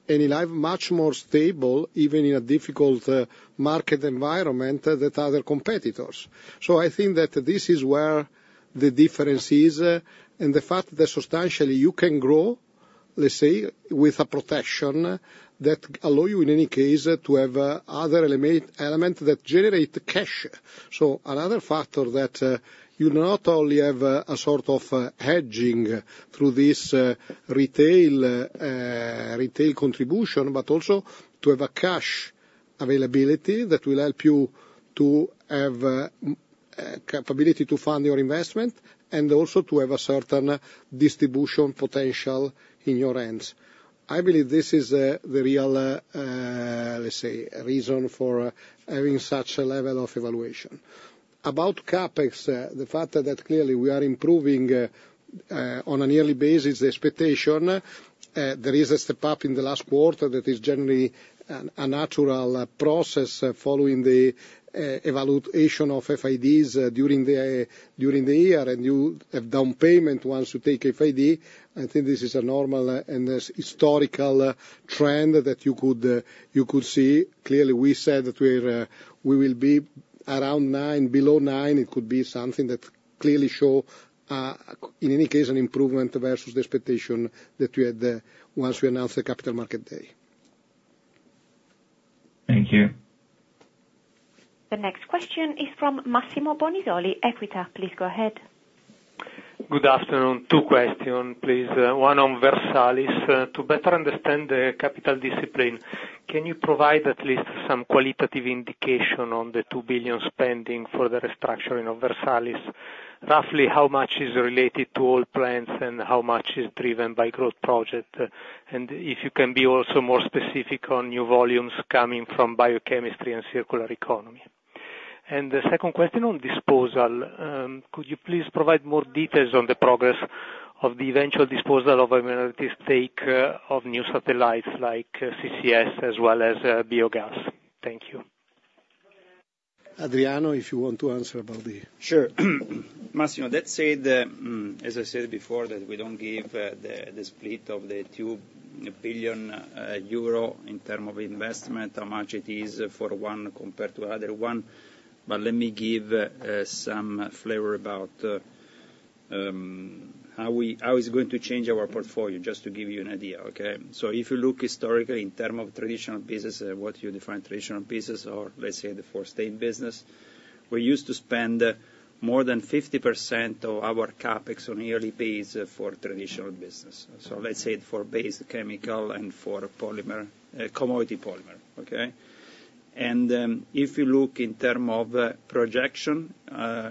Enilive much more stable, even in a difficult market environment, than other competitors. So I think that this is where the difference is, and the fact that substantially you can grow, let's say, with a protection that allow you, in any case, to have other element that generate the cash. So another factor that you not only have a sort of a hedging through this retail contribution, but also to have a cash availability that will help you to have capability to fund your investment, and also to have a certain distribution potential in your hands. I believe this is the real, let's say, reason for having such a level of evaluation. About CapEx, the fact that clearly we are improving on a yearly basis the expectation, there is a step up in the last quarter that is generally a natural process following the evaluation of FIDs during the year, and you have down payment once you take FID. I think this is a normal and this historical trend that you could see. Clearly, we said that we're we will be around nine, below nine. It could be something that clearly show, in any case, an improvement versus the expectation that we had, once we announced the Capital Markets Day. Thank you. The next question is from Massimo Bonisoli, Equita. Please go ahead. Good afternoon. Two questions, please. One on Versalis. To better understand the capital discipline, can you provide at least some qualitative indication on the 2 billion spending for the restructuring of Versalis? Roughly, how much is related to all plans, and how much is driven by growth project? And if you can be also more specific on new volumes coming from biochemistry and circular economy. And the second question on disposal, could you please provide more details on the progress of the eventual disposal of a minority stake of new satellites like CCS, as well as biogas? Thank you. Adriano, if you want to answer about the- Sure. Massimo, let's say that, as I said before, that we don't give the split of the two billion EUR in terms of investment, how much it is for one compared to the other one, but let me give some flavor about how it's going to change our portfolio, just to give you an idea, okay? So if you look historically, in terms of traditional business, what you define traditional business or let's say the fossil business, we used to spend more than 50% of our CapEx on a yearly basis for traditional business, so let's say for basic chemical and for polymer, commodity polymer, okay? If you look in terms of projection,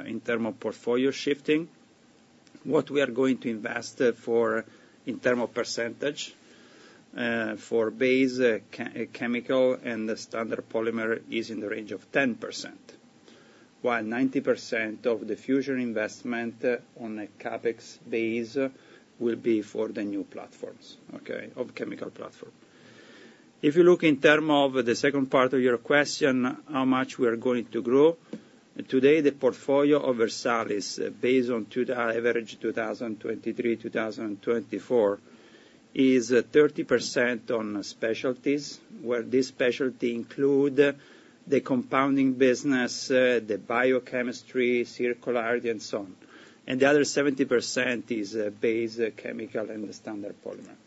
in terms of portfolio shifting, what we are going to invest for, in terms of percentage, for base chemical and the standard polymer is in the range of 10%, while 90% of the future investment on a CapEx base will be for the new platforms, okay? Of chemical platform. If you look in terms of the second part of your question, how much we are going to grow, today, the portfolio of Versalis, based on average 2023 to 2024, is 30% on specialties, where this specialty include the compounding business, the biochemistry, circularity, and so on. And the other 70% is base chemical and the standard polymer.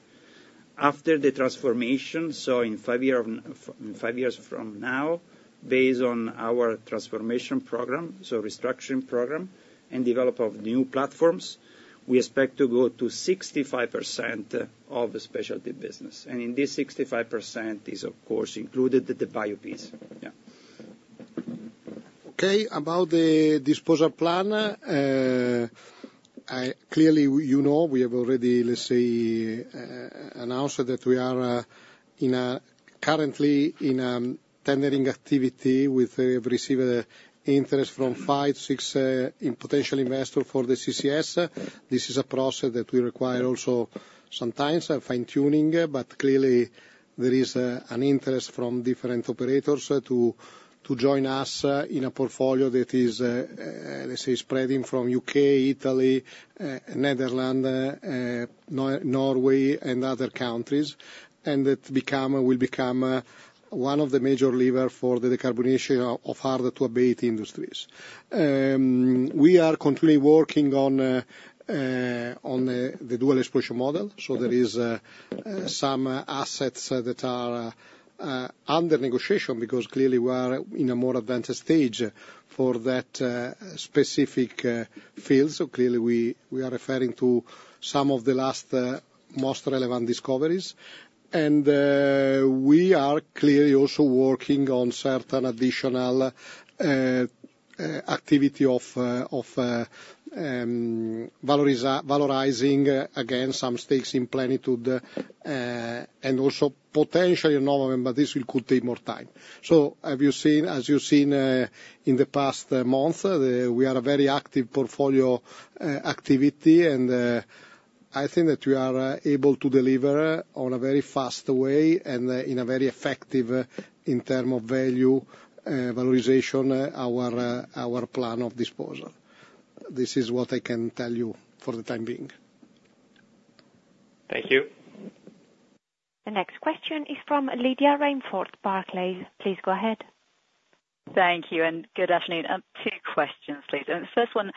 After the transformation, so in five years from now, based on our transformation program, so restructuring program and development of new platforms, we expect to go to 65% of the specialty business. And in this 65% is, of course, included the bio piece. Yeah. Okay, about the disposal plan, I clearly you know we have already, let's say, announced that we are currently in tendering activity with received interest from five, six potential investors for the CCS. This is a process that will require also some time for fine tuning, but clearly there is an interest from different operators to join us in a portfolio that is, let's say, spreading from U.K., Italy, Netherlands, Norway, and other countries, and it will become one of the major levers for the decarbonization of hard-to-abate industries. We are currently working on the deal exploration model, so there is some assets that are under negotiation, because clearly we are in a more advanced stage for that specific field. So clearly, we are referring to some of the latest, most relevant discoveries. And we are clearly also working on certain additional activity of valorizing again some stakes in Plenitude and also potentially in Versalis, but this will could take more time. As you've seen in the past month, we are a very active portfolio activity, and I think that we are able to deliver on a very fast way and in a very effective in term of value valorization our plan of disposal. This is what I can tell you for the time being. Thank you. The next question is from Lydia Rainforth, Barclays. Please go ahead. Thank you, and good afternoon. Two questions, please. And the first one,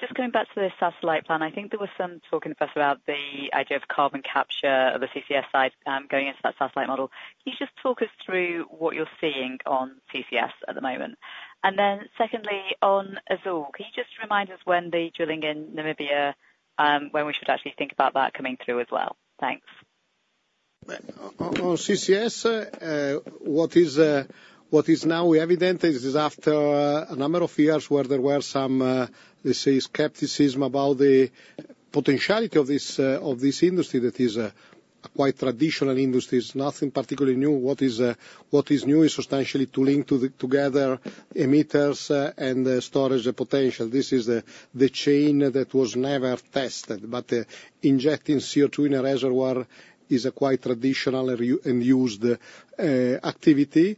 just coming back to the satellite plan, I think there was some talking at first about the idea of carbon capture of the CCS side, going into that satellite model. Can you just talk us through what you're seeing on CCS at the moment? And then secondly, on Azule, can you just remind us when the drilling in Namibia, when we should actually think about that coming through as well? Thanks. On CCS, what is now evident is after a number of years where there were some, let's say, skepticism about the potentiality of this industry that is a quite traditional industry. It's nothing particularly new. What is new is substantially to link together emitters and storage potential. This is the chain that was never tested, but injecting CO2 in a reservoir is a quite traditional readily used activity.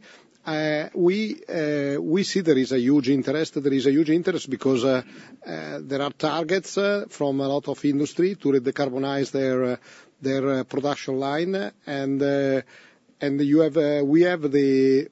We see there is a huge interest. There is a huge interest, because there are targets from a lot of industry to decarbonize their production line. And you have, we have the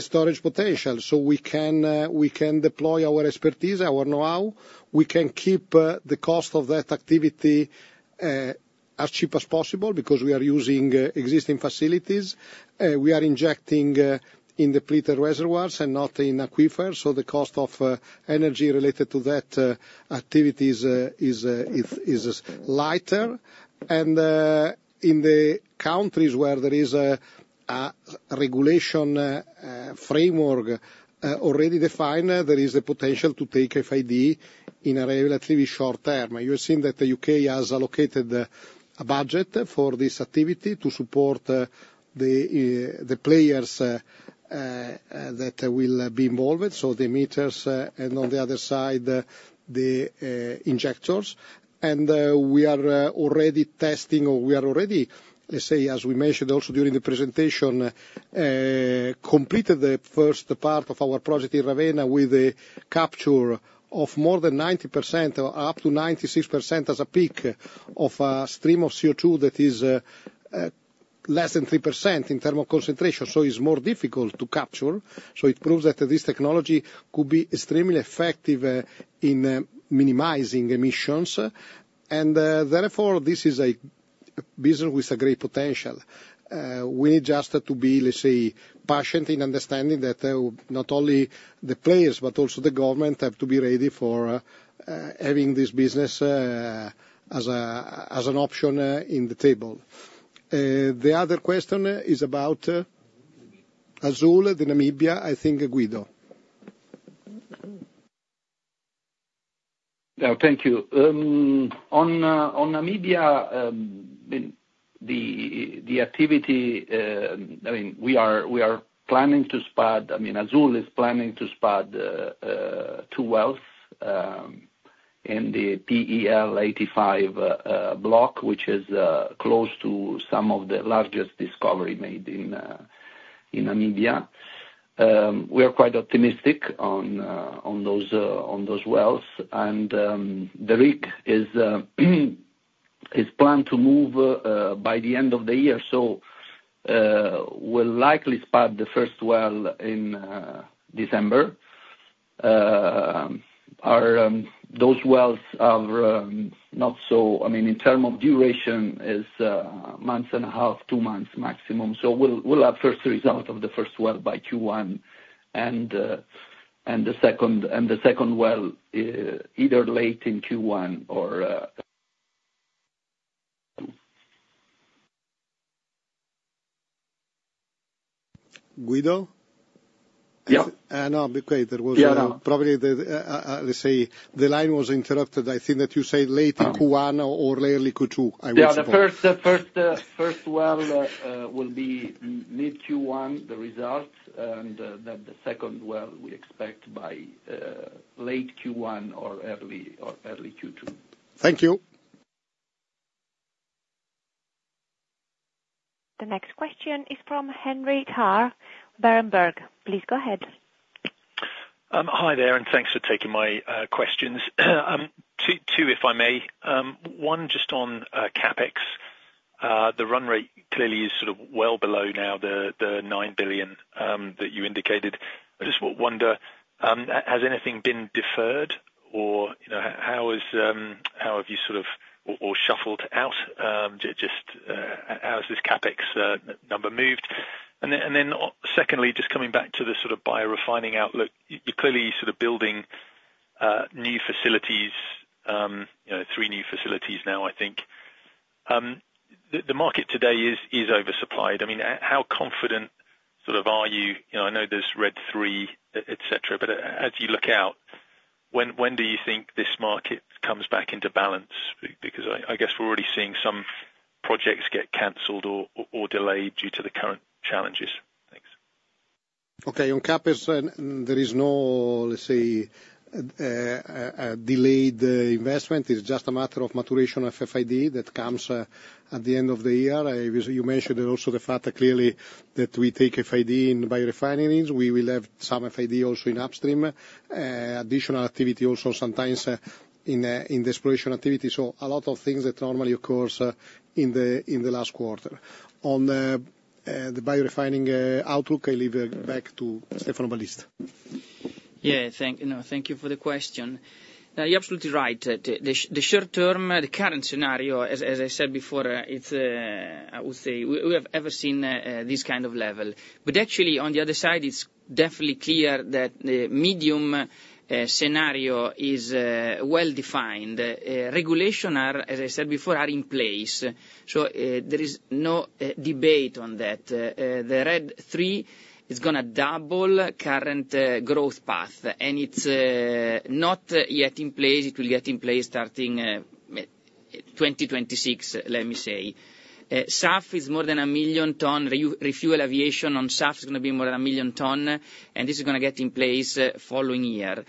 storage potential, so we can deploy our expertise, our know-how. We can keep the cost of that activity as cheap as possible because we are using existing facilities. We are injecting in depleted reservoirs and not in aquifers, so the cost of energy related to that activities is lighter. And in the countries where there is a regulation framework already defined, there is a potential to take FID in a relatively short term. You have seen that the U.K. has allocated a budget for this activity to support the players that will be involved, so the emitters and on the other side the injectors. We are already, let's say, as we mentioned also during the presentation, completed the first part of our project in Ravenna, with a capture of more than 90% or up to 96% as a peak of a stream of CO2 that is less than 3% in term of concentration, so it's more difficult to capture. It proves that this technology could be extremely effective in minimizing emissions. Therefore, this is a business with great potential. We need just to be, let's say, patient in understanding that not only the players, but also the government, have to be ready for having this business as an option in the table. The other question is about Azule in Namibia, I think, Guido. Yeah. Thank you. On Namibia, the activity, I mean, we are Plenitude spud, I mean, Azule is Plenitude spud, two wells, in the PEL 85 block, which is close to some of the largest discovery made in Namibia. We are quite optimistic on those wells. And, the rig is planned to move by the end of the year, so, we'll likely spud the first well in December. Those wells are not so... I mean, in term of duration, is month and a half, two months maximum. We'll have the first result of the first well by Q1, and the second well either late in Q1 or Guido? Yeah. No, wait, there was- Yeah. Probably the, let's say, the line was interrupted. I think that you said late Q1 or early Q2, I would suppose. Yeah, the first well will be mid Q1, the results, and the second well, we expect by late Q1 or early Q2. Thank you. The next question is from Henry Tarr, Berenberg. Please go ahead. Hi there, and thanks for taking my questions. Two, if I may. One, just on CapEx. The run rate clearly is sort of well below now the nine billion that you indicated. I just wonder, has anything been deferred, or, you know, how is, how have you sort of, or shuffled out? Just how is this CapEx number moved? And then secondly, just coming back to the sort of biorefining outlook. You're clearly sort of building new facilities, you know, three new facilities now, I think. The market today is oversupplied. I mean, how confident sort of are you? You know, I know there's RED III, et cetera, but as you look out, when do you think this market comes back into balance? Because I guess we're already seeing some projects get canceled or delayed due to the current challenges. Thanks. Okay, on CapEx, there is no, let's say, a delayed investment. It's just a matter of maturation of FID that comes at the end of the year. As you mentioned, and also the fact that clearly that we take FID in biorefineries, we will have some FID also in upstream. Additional activity also sometimes in the exploration activity. So a lot of things that normally occurs in the last quarter. On the biorefining outlook, I leave it back to Stefano Ballista. Yeah, thank you, you know, thank you for the question. Now, you're absolutely right. The short term, the current scenario, as I said before, it's I would say we have ever seen this kind of level. But actually on the other side, it's definitely clear that the medium scenario is well defined. Regulation are, as I said before, are in place, so there is no debate on that. The RED III is gonna double current growth path, and it's not yet in place. It will get in place starting 2026, let me say. SAF is more than a million ton. Refuel aviation on SAF is gonna be more than a million ton, and this is gonna get in place following year.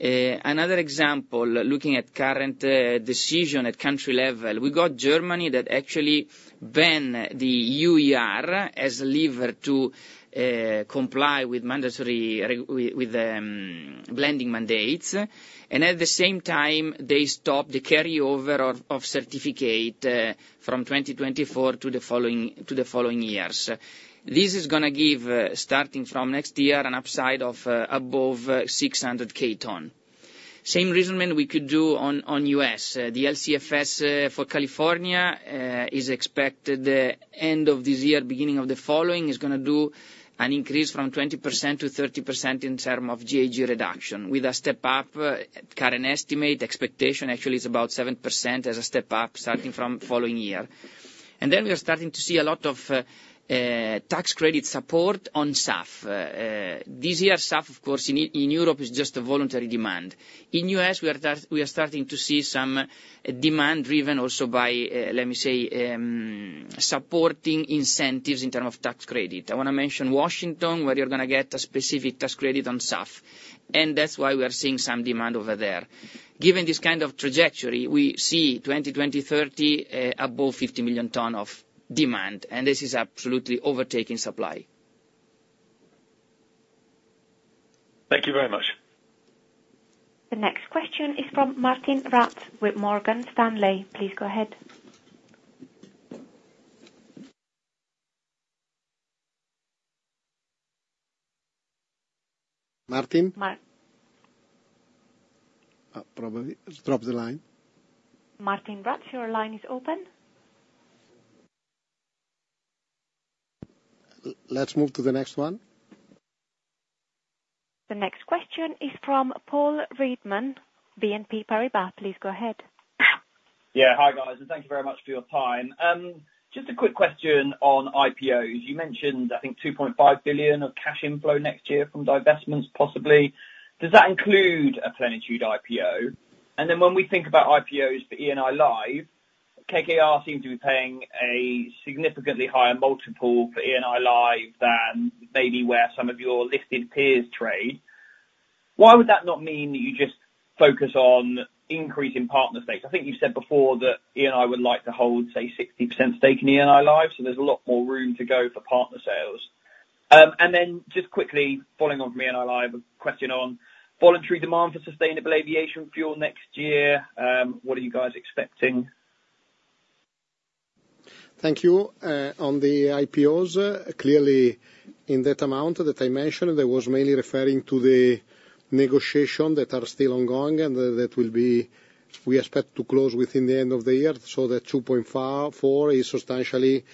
Another example, looking at current decision at country level, we got Germany that actually ban the UER as lever to comply with mandatory blending mandates. And at the same time, they stop the carryover of certificate from 2024 to the following years. This is gonna give, starting from next year, an upside of above 600,000 ton. Same reasoning we could do on the U.S. The LCFS for California is expected end of this year, beginning of the following, is gonna do an increase from 20% to 30% in terms of GHG reduction, with a step-up current estimate. Expectation actually is about 7% as a step-up, starting from following year. We are starting to see a lot of tax credit support on SAF. This year, SAF, of course, in Europe, is just a voluntary demand. In U.S., we are starting to see some demand driven also by, let me say, supporting incentives in terms of tax credit. I wanna mention Washington, where you're gonna get a specific tax credit on SAF, and that's why we are seeing some demand over there. Given this kind of trajectory, we see 2030, above 50 million tons of demand, and this is absolutely overtaking supply. Thank you very much. The next question is from Martijn Rats, with Morgan Stanley. Please go ahead. Martin? Mar- Probably he's dropped the line. Martijn Rats, your line is open. Let's move to the next one. The next question is from Paul Riedman, BNP Paribas. Please go ahead. Yeah. Hi, guys, and thank you very much for your time. Just a quick question on IPOs. You mentioned, I think, 2.5 billion of cash inflow next year from divestments, possibly. Does that include a Plenitude IPO? And then when we think about IPOs for Enilive, KKR seem to be paying a significantly higher multiple for Enilive than maybe where some of your listed peers trade. Why would that not mean that you just focus on increasing partner stakes? I think you've said before that Eni would like to hold, say, 60% stake in Enilive, so there's a lot more room to go for partner sales. And then just quickly following on from Enilive, a question on voluntary demand for sustainable aviation fuel next year. What are you guys expecting? Thank you. On the IPOs, clearly, in that amount that I mentioned, that was mainly referring to the negotiation that are still ongoing and that will be... We expect to close within the end of the year. So that 2.4 is substantially,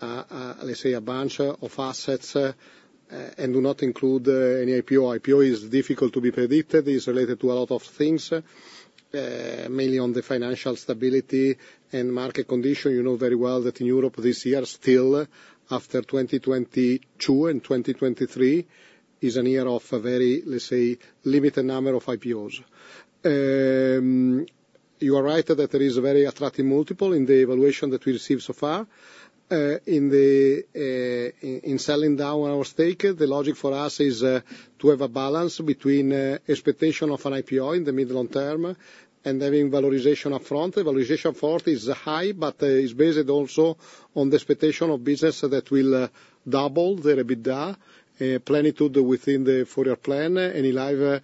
let's say, a bunch of assets, and do not include any IPO. IPO is difficult to be predicted. It's related to a lot of things, mainly on the financial stability and market condition. You know very well that in Europe this year, still, after 2022 and 2023, is a year of a very, let's say, limited number of IPOs. You are right that there is a very attractive multiple in the evaluation that we received so far. In selling down our stake, the logic for us is to have a balance between expectation of an IPO in the mid long term, and having valorization up front. Valorization forward is high, but is based also on the expectation of business that will double the EBITDA, Plenitude within the four-year plan, Enilive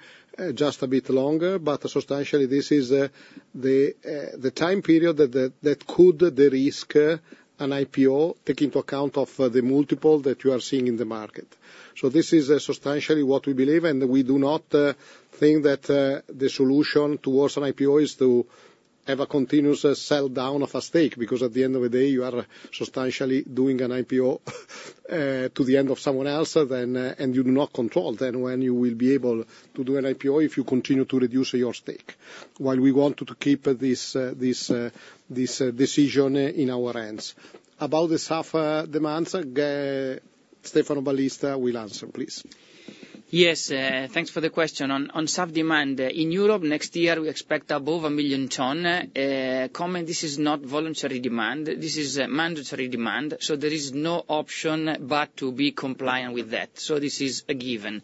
just a bit longer. But substantially, this is the time period that could de-risk an IPO, take into account of the multiple that you are seeing in the market. So this is substantially what we believe, and we do not think that the solution towards an IPO is to have a continuous sell down of a stake, because at the end of the day, you are substantially doing an IPO... to the end of someone else, then, and you do not control then when you will be able to do an IPO if you continue to reduce your stake. While we want to keep this decision in our hands. About the SAF demands, Stefano Ballista will answer, please. Yes, thanks for the question. On SAF demand in Europe next year, we expect above a million tons. To comment, this is not voluntary demand, this is a mandatory demand, so there is no option but to be compliant with that, so this is a given.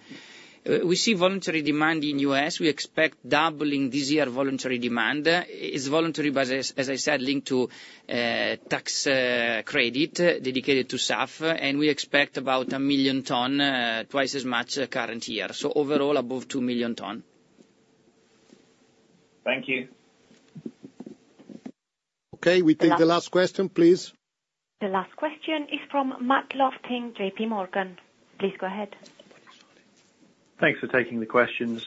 We see voluntary demand in U.S., we expect doubling this year voluntary demand. It's voluntary, but as I said, linked to tax credit dedicated to SAF, and we expect about a million tons, twice as much current year, so overall, above two million tons. Thank you. Okay, we take the last question, please. The last question is from Matt Lofting, J.P. Morgan, please go ahead. Thanks for taking the questions.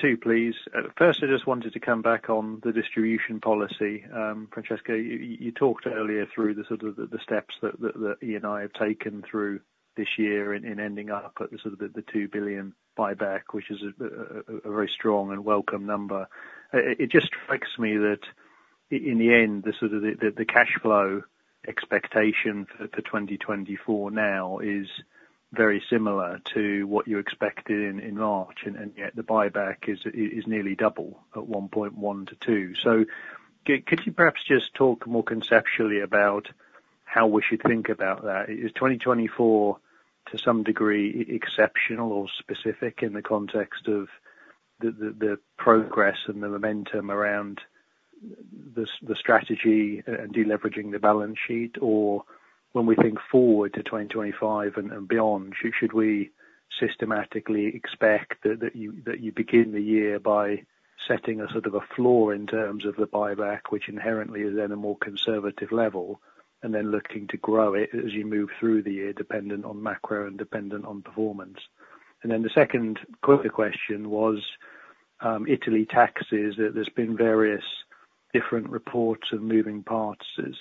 Two, please. First, I just wanted to come back on the distribution policy. Francesco, you talked earlier through the sort of steps that you and I have taken through this year in ending up at the sort of the 2 billion buyback, which is a very strong and welcome number. It just strikes me that in the end, the sort of the cash flow expectation for 2024 now is very similar to what you expected in March, and yet the buyback is nearly double at 1.1 to 2 billion. So could you perhaps just talk more conceptually about how we should think about that? Is 2024, to some degree, exceptional or specific in the context of the progress and the momentum around the strategy and deleveraging the balance sheet? Or when we think forward to 2025 and beyond, should we systematically expect that you begin the year by setting a sort of a floor in terms of the buyback, which inherently is at a more conservative level, and then looking to grow it as you move through the year, dependent on macro and dependent on performance? And then the second quicker question was, Italy taxes. There's been various different reports of moving parts since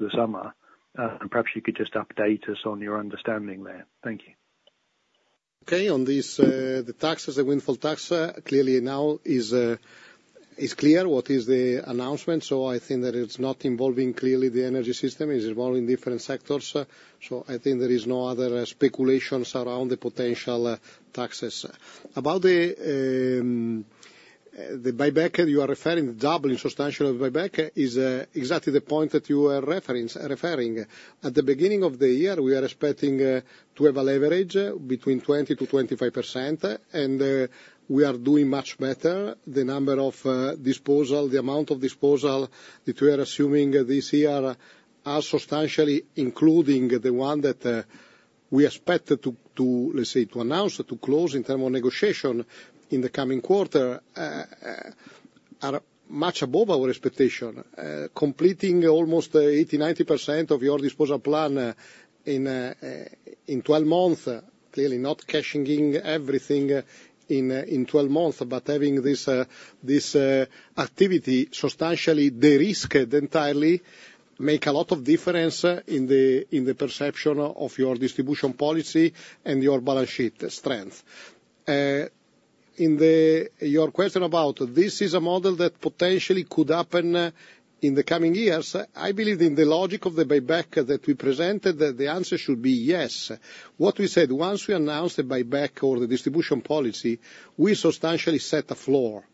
the summer. And perhaps you could just update us on your understanding there. Thank you. Okay, on this, the taxes, the windfall tax, clearly now is clear what is the announcement, so I think that it's not involving clearly the energy system, it is involving different sectors. So I think there is no other speculations around the potential, taxes. About the, the buyback, you are referring doubling substantial buyback is, exactly the point that you are referring. At the beginning of the year, we are expecting, to have a leverage between 20% to 25%, and, we are doing much better. The number of, disposal, the amount of disposal that we are assuming this year are substantially, including the one that, we expect to, let's say, to announce, to close in terms of negotiation in the coming quarter, are much above our expectation. Completing almost 80%, 90% of your disposal plan in 12 months, clearly not cashing in everything in 12 months, but having this activity substantially de-risked entirely, make a lot of difference in the perception of your distribution policy and your balance sheet strength. Your question about this is a model that potentially could happen in the coming years. I believe in the logic of the buyback that we presented, that the answer should be yes. What we said, once we announced the buyback or the distribution policy, we substantially set the floor.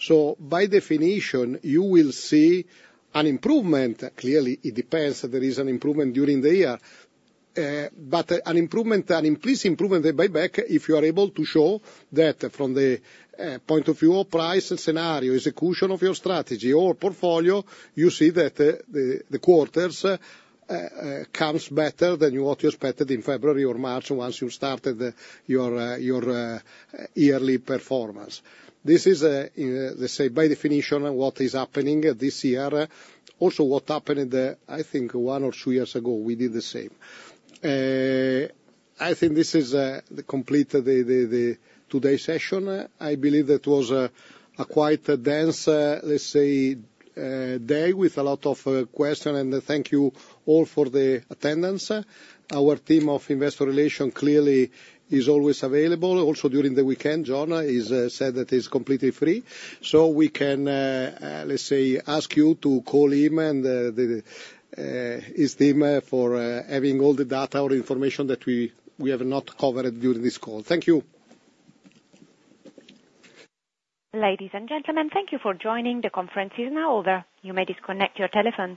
So by definition, you will see an improvement. Clearly, it depends. There is an improvement during the year, but an improvement, an increased improvement in buyback, if you are able to show that from the point of view, price and scenario, execution of your strategy or portfolio, you see that the quarters comes better than you what you expected in February or March once you started your yearly performance. This is, let's say, by definition, what is happening this year. Also, what happened in the, I think one or two years ago, we did the same. I think this is the complete the today's session. I believe that was a quite a dense, let's say, day, with a lot of question, and thank you all for the attendance. Our team of investor relation clearly is always available. Also, during the weekend, John said that he's completely free, so we can, let's say, ask you to call him and his team for having all the data or information that we have not covered during this call. Thank you. Ladies and gentlemen, thank you for joining. The conference is now over. You may disconnect your telephones.